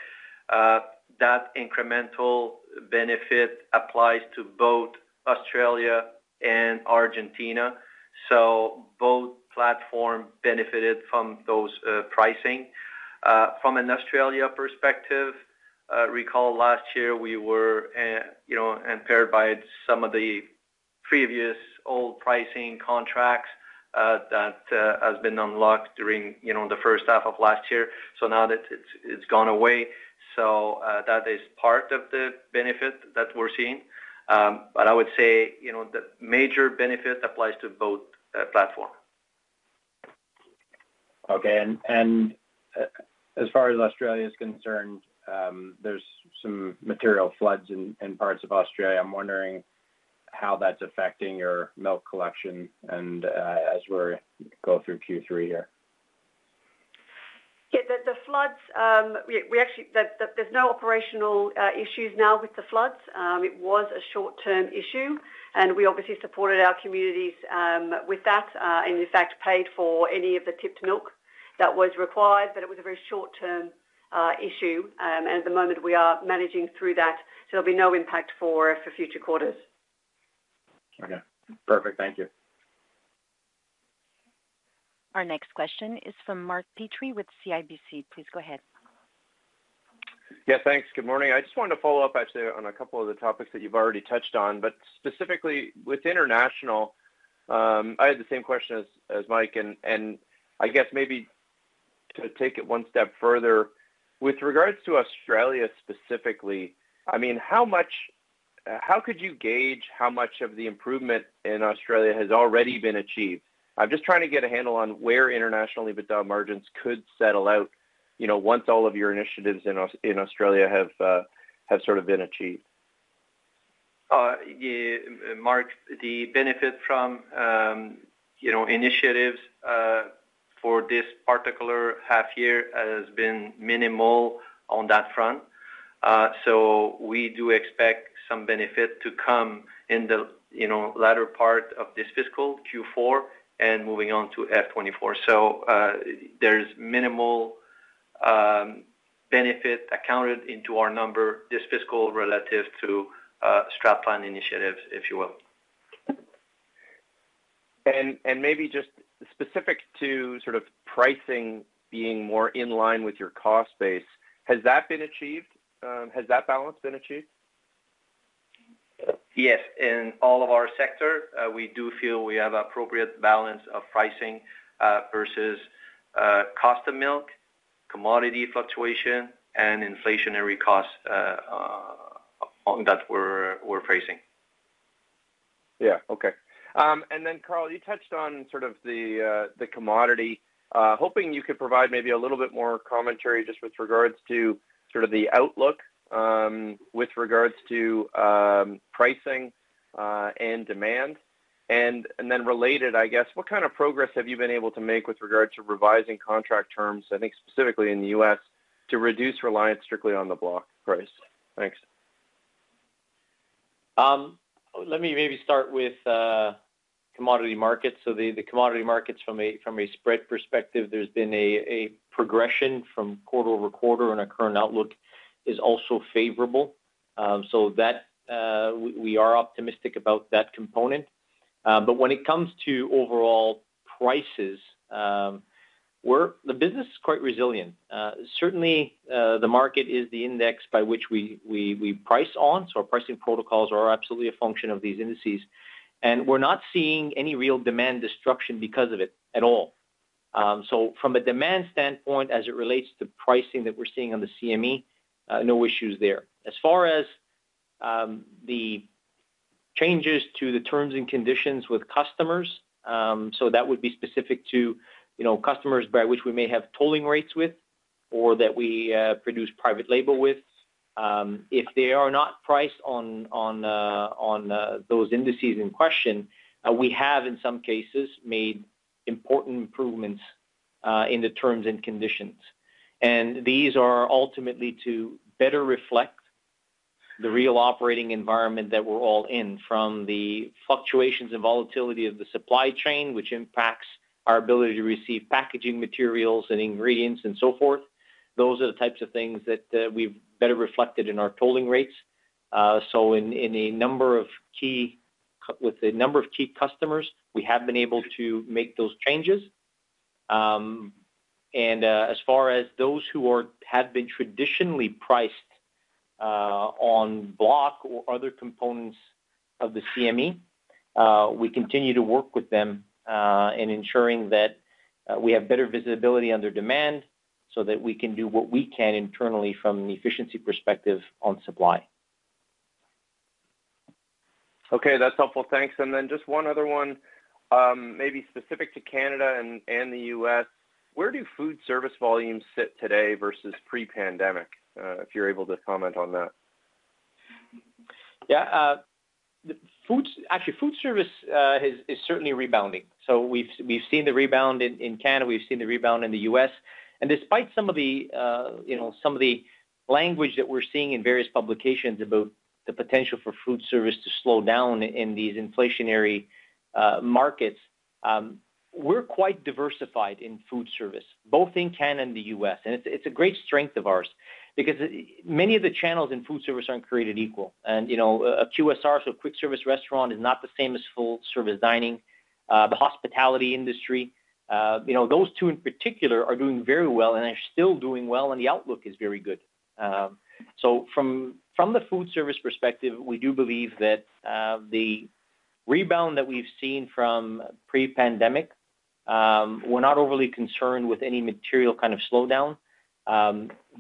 That incremental benefit applies to both Australia and Argentina. Both platform benefited from those pricing. From an Australian perspective, recall last year we were, you know, impaired by some of the previous old pricing contracts, that has been unlocked during, you know, the first half of last year. Now that it's gone away. That is part of the benefit that we're seeing. I would say, you know, the major benefit applies to both platform. Okay. As far as Australia is concerned, there's some material floods in parts of Australia. I'm wondering how that's affecting your milk collection and, as we're going through Q3 here. There's no operational issues now with the floods. It was a short-term issue, and we obviously supported our communities with that, and in fact paid for any of the tipped milk that was required, but it was a very short-term issue. At the moment, we are managing through that, so there'll be no impact for future quarters. Okay. Perfect. Thank you. Our next question is from Mark Petrie with CIBC. Please go ahead. Yeah. Thanks. Good morning. I just wanted to follow up actually on a couple of the topics that you've already touched on, but specifically with international. I had the same question as Mike. And I guess maybe to take it one step further, with regards to Australia specifically, I mean, how much of the improvement in Australia has already been achieved? How could you gauge how much of the improvement in Australia has already been achieved? I'm just trying to get a handle on where international EBITDA margins could settle out, you know, once all of your initiatives in Australia have sort of been achieved. Yeah, Mark, the benefit from, you know, initiatives for this particular half year has been minimal on that front. We do expect some benefit to come in the, you know, latter part of this fiscal Q4 and moving on to FY2024. There's minimal benefit accounted into our number this fiscal relative to strategic plan initiatives, if you will. maybe just specific to sort of pricing being more in line with your cost base, has that been achieved? has that balance been achieved? Yes, in all of our sectors, we do feel we have appropriate balance of pricing versus cost of milk, commodity fluctuation, and inflationary costs on that we're facing. Yeah. Okay. Then Carl, you touched on sort of the commodity. Hoping you could provide maybe a little bit more commentary just with regards to sort of the outlook with regards to pricing and demand. Then related, I guess, what kind of progress have you been able to make with regards to revising contract terms, I think specifically in the U.S., to reduce reliance strictly on the block price? Thanks. Let me maybe start with commodity markets. The commodity markets from a spread perspective, there's been a progression from quarter-over-quarter, and our current outlook is also favorable. We are optimistic about that component. When it comes to overall prices, the business is quite resilient. Certainly, the market is the index by which we price on, so our pricing protocols are absolutely a function of these indices. We're not seeing any real demand destruction because of it at all. From a demand standpoint as it relates to pricing that we're seeing on the CME, no issues there. As far as the changes to the terms and conditions with customers, that would be specific to, you know, customers by which we may have tolling rates with or that we produce private label with. If they are not priced on those indices in question, we have in some cases made important improvements in the terms and conditions. These are ultimately to better reflect the real operating environment that we're all in from the fluctuations and volatility of the supply chain, which impacts our ability to receive packaging materials and ingredients and so forth. Those are the types of things that we've better reflected in our tolling rates. With a number of key customers, we have been able to make those changes. As far as those who have been traditionally priced on block or other components of the CME, we continue to work with them in ensuring that we have better visibility on their demand so that we can do what we can internally from an efficiency perspective on supply. Okay. That's helpful. Thanks. Just one other one, maybe specific to Canada and the US. Where do food service volumes sit today versus pre-pandemic? If you're able to comment on that. Yeah. Actually, food service is certainly rebounding. We've seen the rebound in Canada. We've seen the rebound in the U.S. Despite some of the, you know, some of the language that we're seeing in various publications about the potential for food service to slow down in these inflationary markets, we're quite diversified in food service, both in Canada and the U.S. It's a great strength of ours because many of the channels in food service aren't created equal. You know, a QSR, so a quick service restaurant is not the same as full service dining. The hospitality industry, you know, those two in particular are doing very well and are still doing well, and the outlook is very good. From the food service perspective, we do believe that the rebound that we've seen from pre-pandemic. We're not overly concerned with any material kind of slowdown.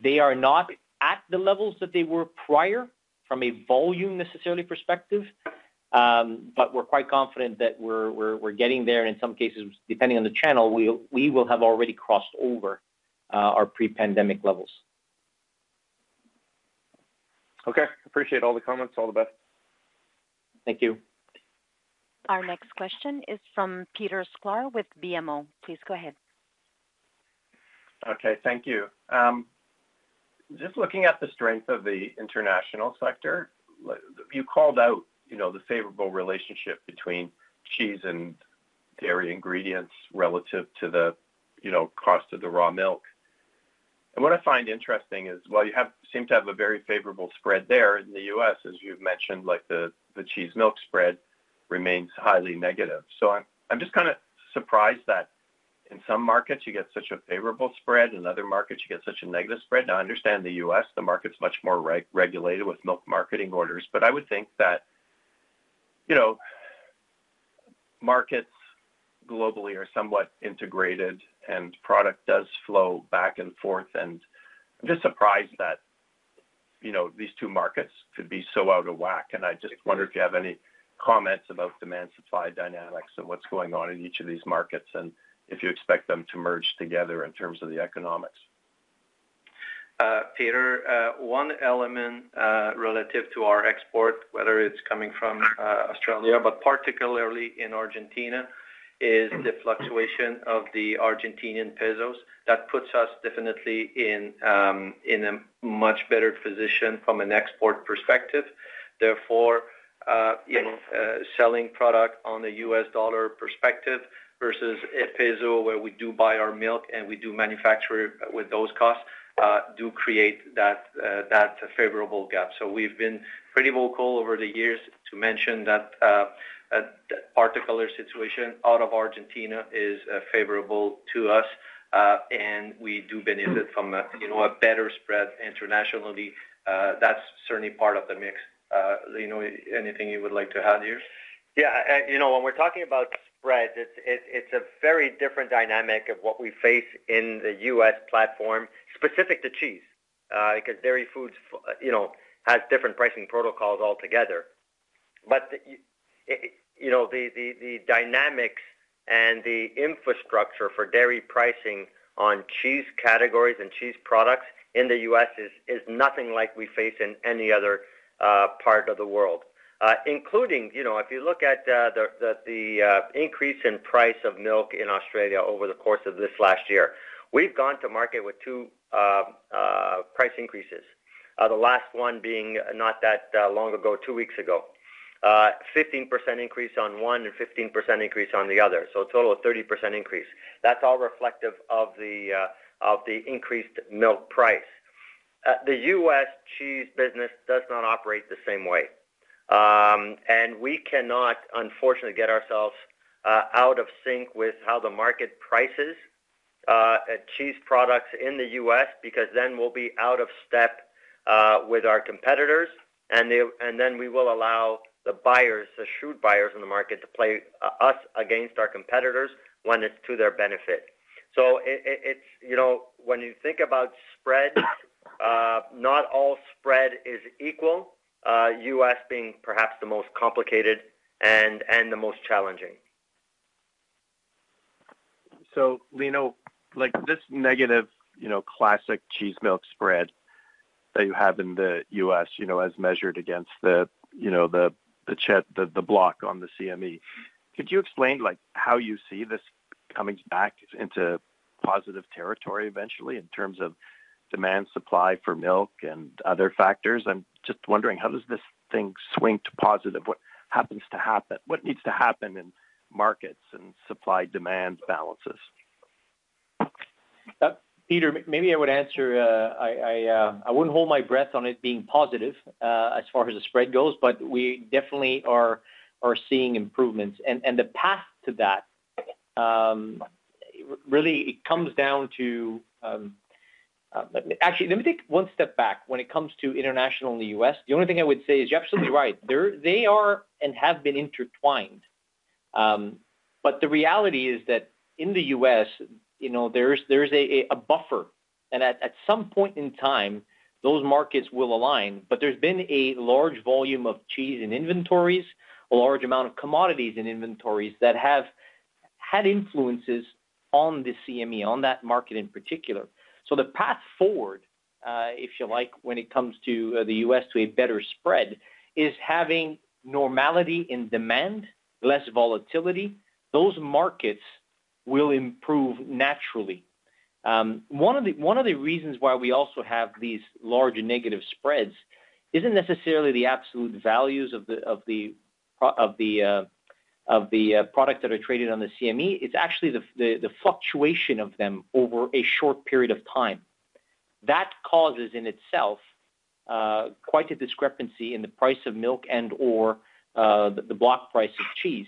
They are not at the levels that they were prior from a volume necessarily perspective, but we're quite confident that we're getting there. In some cases, depending on the channel, we will have already crossed over our pre-pandemic levels. Okay. Appreciate all the comments. All the best. Thank you. Our next question is from Peter Sklar with BMO. Please go ahead. Okay. Thank you. Just looking at the strength of the international sector, you called out, you know, the favorable relationship between cheese and dairy ingredients relative to the, you know, cost of the raw milk. What I find interesting is, while you seem to have a very favorable spread there in the U.S., as you've mentioned, like the cheese milk spread remains highly negative. I'm just kinda surprised that in some markets you get such a favorable spread, in other markets you get such a negative spread. Now, I understand the U.S., the market's much more regulated with milk marketing orders, but I would think that, you know, markets globally are somewhat integrated, and product does flow back and forth. I'm just surprised that, you know, these two markets could be so out of whack. I just wonder if you have any comments about demand supply dynamics and what's going on in each of these markets, and if you expect them to merge together in terms of the economics? Peter, one element relative to our export, whether it's coming from Australia, but particularly in Argentina, is the fluctuation of the Argentinian pesos. That puts us definitely in a much better position from an export perspective. Therefore, you know, selling product on the U.S. dollar perspective versus a peso, where we do buy our milk and we do manufacture with those costs do create that favorable gap. So we've been pretty vocal over the years to mention that particular situation out of Argentina is favorable to us and we do benefit from a you know a better spread internationally. That's certainly part of the mix. You know, anything you would like to add, Maxime Therrien? Yeah. You know, when we're talking about spreads, it's a very different dynamic of what we face in the U.S. platform specific to cheese. 'Cause dairy foods, you know, has different pricing protocols altogether. It, you know, the dynamics and the infrastructure for dairy pricing on cheese categories and cheese products in the U.S. is nothing like we face in any other part of the world. Including, you know, if you look at the increase in price of milk in Australia over the course of this last year, we've gone to market with two price increases. The last one being not that long ago, two weeks ago. 15% increase on one and 15% increase on the other, so a total of 30% increase. That's all reflective of the increased milk price. The US cheese business does not operate the same way. We cannot, unfortunately, get ourselves out of sync with how the market prices cheese products in the US, because then we'll be out of step with our competitors, and then we will allow the buyers, the shrewd buyers in the market to play us against our competitors when it's to their benefit. It's, you know, when you think about spread, not all spread is equal, U.S. being perhaps the most complicated and the most challenging. Lino, like this negative, you know, Class III cheese milk spread that you have in the U.S., you know, as measured against the, you know, the cheddar block on the CME. Could you explain like how you see this coming back into positive territory eventually in terms of demand, supply for milk and other factors? I'm just wondering, how does this thing swing to positive? What has to happen? What needs to happen in markets and supply-demand balances? Peter, maybe I would answer, I wouldn't hold my breath on it being positive as far as the spread goes, but we definitely are seeing improvements. The path to that really it comes down to. Actually, let me take one step back when it comes to international in the U.S., the only thing I would say is you're absolutely right. They are and have been intertwined. But the reality is that in the U.S., you know, there is a buffer. At some point in time, those markets will align. But there's been a large volume of cheese in inventories, a large amount of commodities in inventories that have had influences on the CME, on that market in particular. The path forward, if you like, when it comes to the U.S. to a better spread, is having normality in demand, less volatility. Those markets will improve naturally. One of the reasons why we also have these large negative spreads isn't necessarily the absolute values of the products that are traded on the CME. It's actually the fluctuation of them over a short period of time. That causes in itself quite a discrepancy in the price of milk and/or the block price of cheese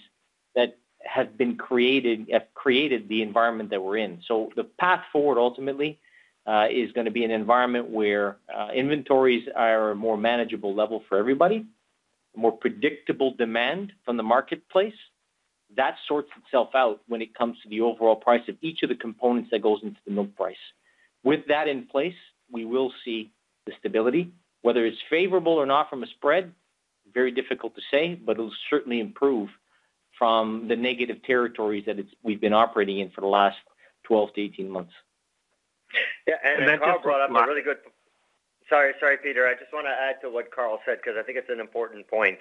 that have created the environment that we're in. The path forward, ultimately, is gonna be an environment where inventories are a more manageable level for everybody, more predictable demand from the marketplace. That sorts itself out when it comes to the overall price of each of the components that goes into the milk price. With that in place, we will see the stability. Whether it's favorable or not from a spread, very difficult to say, but it'll certainly improve from the negative territories that we've been operating in for the last 12-18 months. Yeah. Carl brought up a really good And then just- Sorry. Sorry, Peter. I just wanna add to what Carl said 'cause I think it's an important point.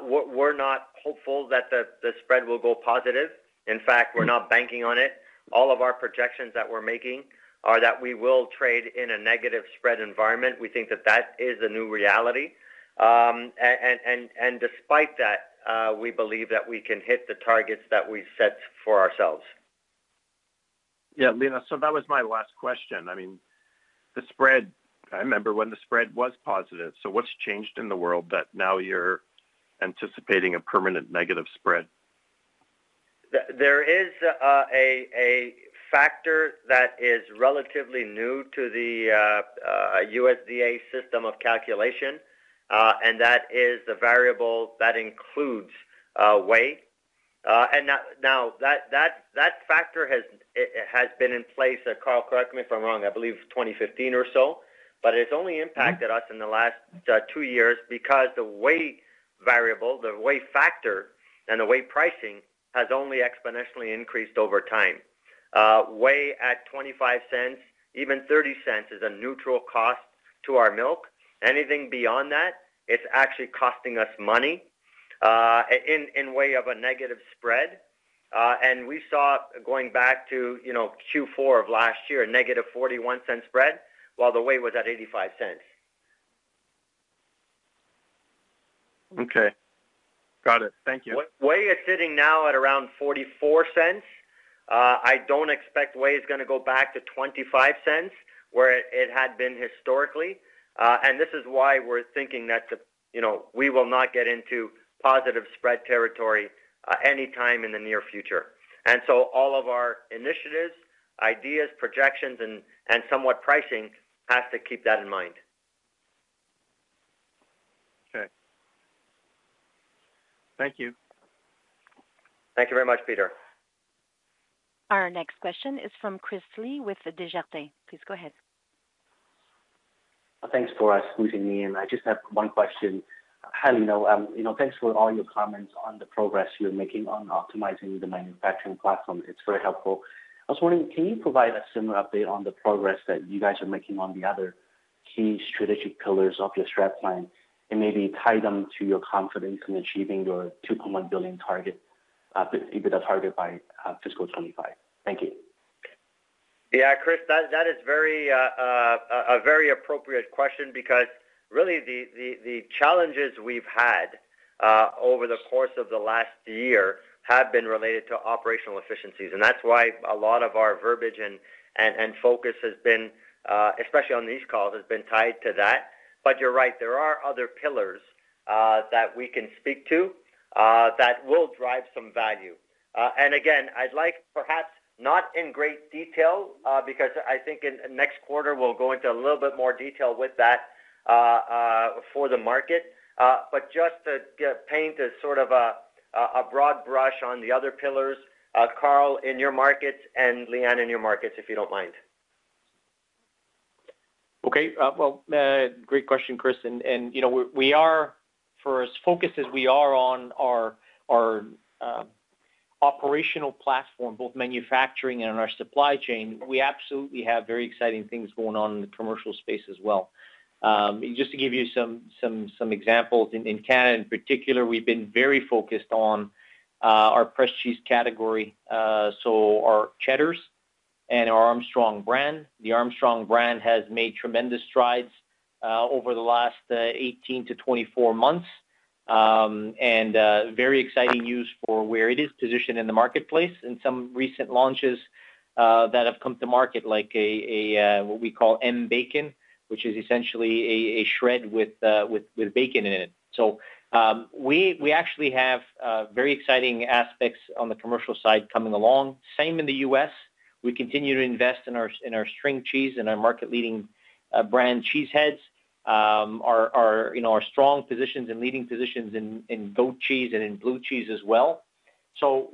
We're not hopeful that the spread will go positive. In fact, we're not banking on it. All of our projections that we're making are that we will trade in a negative spread environment. We think that that is a new reality. Despite that, we believe that we can hit the targets that we've set for ourselves. Yeah, Lino. That was my last question. I mean, the spread, I remember when the spread was positive. What's changed in the world that now you're anticipating a permanent negative spread? There is a factor that is relatively new to the USDA system of calculation, and that is the variable that includes whey. Now that factor has been in place, Carl, correct me if I'm wrong, I believe 2015 or so. It's only impacted us in the last two years because the whey variable, the whey factor, and the whey pricing has only exponentially increased over time. Whey at $0.25, even $0.30, is a neutral cost to our milk. Anything beyond that, it's actually costing us money, in way of a negative spread. We saw going back to Q4 of last year, a negative $0.41 spread, while the whey was at $0.85. Okay. Got it. Thank you. Whey is sitting now at around $0.44. I don't expect whey is gonna go back to $0.25 where it had been historically. This is why we're thinking that, you know, we will not get into positive spread territory anytime in the near future. All of our initiatives, ideas, projections, and somewhat pricing has to keep that in mind. Okay. Thank you. Thank you very much, Peter. Our next question is from Christopher Li with Desjardins. Please go ahead. Thanks for squeezing me in. I just have one question. You know, thanks for all your comments on the progress you're making on optimizing the manufacturing platform. It's very helpful. I was wondering, can you provide a similar update on the progress that you guys are making on the other key strategic pillars of your strategic plan and maybe tie them to your confidence in achieving your 2.1 billion target, EBITDA target by fiscal 2025? Thank you. Yeah, Chris, that is a very appropriate question because really the challenges we've had over the course of the last year have been related to operational efficiencies. That's why a lot of our verbiage and focus has been, especially on these calls, tied to that. You're right, there are other pillars that we can speak to that will drive some value. Again, I'd like perhaps not in great detail because I think in next quarter we'll go into a little bit more detail with that for the market. But just to paint a sort of broad brush on the other pillars, Carl, in your markets and Leanne in your markets, if you don't mind. Okay. Well, great question, Chris. You know, we are for as focused as we are on our operational platform, both manufacturing and our supply chain, we absolutely have very exciting things going on in the commercial space as well. Just to give you some examples, in Canada in particular, we've been very focused on our fresh cheese category, so our cheddars and our Armstrong brand. The Armstrong brand has made tremendous strides over the last 18-24 months. Very exciting news for where it is positioned in the marketplace and some recent launches that have come to market like what we call Smokey Bacon, which is essentially a shred with bacon in it. We actually have very exciting aspects on the commercial side coming along. Same in the U.S. We continue to invest in our string cheese and our market-leading brand Cheese Heads. You know, our strong positions and leading positions in goat cheese and in blue cheese as well.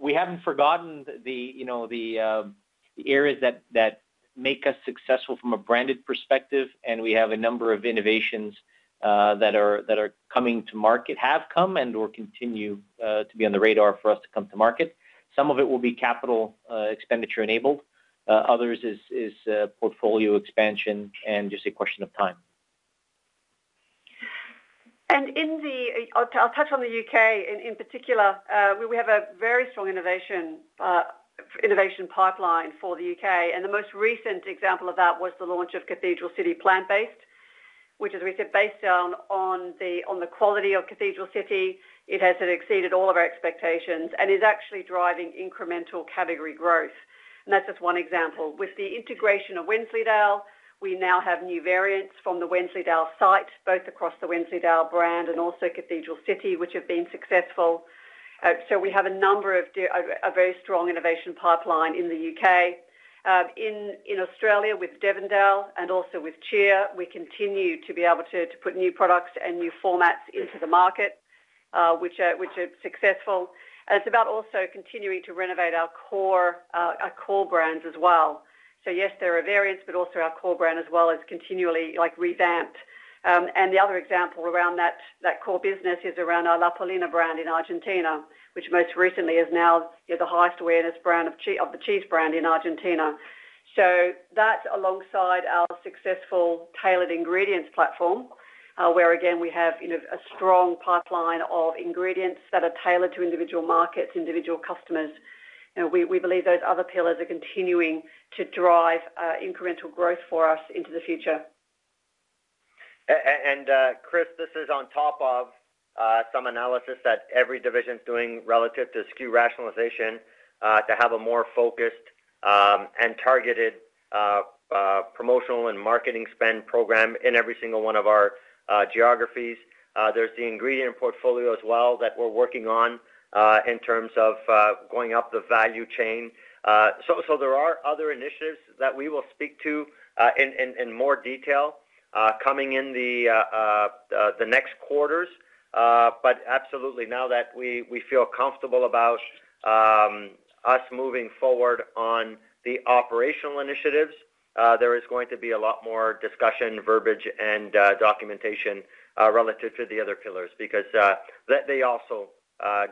We haven't forgotten you know, the areas that make us successful from a branded perspective. We have a number of innovations that are coming to market, have come and/or continue to be on the radar for us to come to market. Some of it will be capital expenditure enabled, others is portfolio expansion and just a question of time. I'll touch on the UK in particular. We have a very strong innovation pipeline for the U.K. The most recent example of that was the launch of Cathedral City Plant Based, which is based on the quality of Cathedral City. It has exceeded all of our expectations and is actually driving incremental category growth. That's just one example. With the integration of Wensleydale, we now have new variants from the Wensleydale site, both across the Wensleydale brand and also Cathedral City, which have been successful. We have a very strong innovation pipeline in the U.K. In Australia with Devondale and also with Cheer, we continue to be able to put new products and new formats into the market, which are successful. It's about also continuing to renovate our core, our core brands as well. Yes, there are variants, but also our core brand as well is continually like revamped. The other example around that core business is around our La Paulina brand in Argentina, which most recently is now the highest awareness brand of the cheese brand in Argentina. That alongside our successful tailored ingredients platform, where again, we have, you know, a strong pipeline of ingredients that are tailored to individual markets, individual customers. You know, we believe those other pillars are continuing to drive, incremental growth for us into the future. Chris, this is on top of some analysis that every division is doing relative to SKU rationalization to have a more focused and targeted promotional and marketing spend program in every single one of our geographies. There's the ingredient portfolio as well that we're working on in terms of going up the value chain. There are other initiatives that we will speak to in more detail coming in the next quarters. Absolutely, now that we feel comfortable about us moving forward on the operational initiatives, there is going to be a lot more discussion, verbiage and documentation relative to the other pillars because they also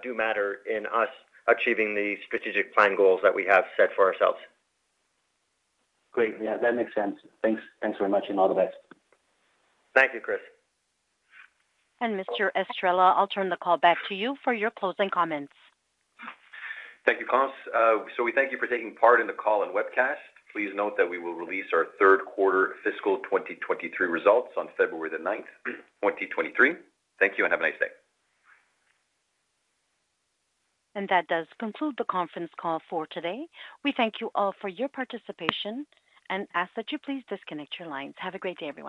do matter in us achieving the strategic plan goals that we have set for ourselves. Great. Yeah, that makes sense. Thanks. Thanks very much, and all the best. Thank you, Chris. Mr. Estrela, I'll turn the call back to you for your closing comments. Thank you, Cons. We thank you for taking part in the call and webcast. Please note that we will release our third quarter fiscal 2023 results on 9th February 2023. Thank you and have a nice day. That does conclude the Conference Call for today. We thank you all for your participation and ask that you please disconnect your lines. Have a great day, everyone.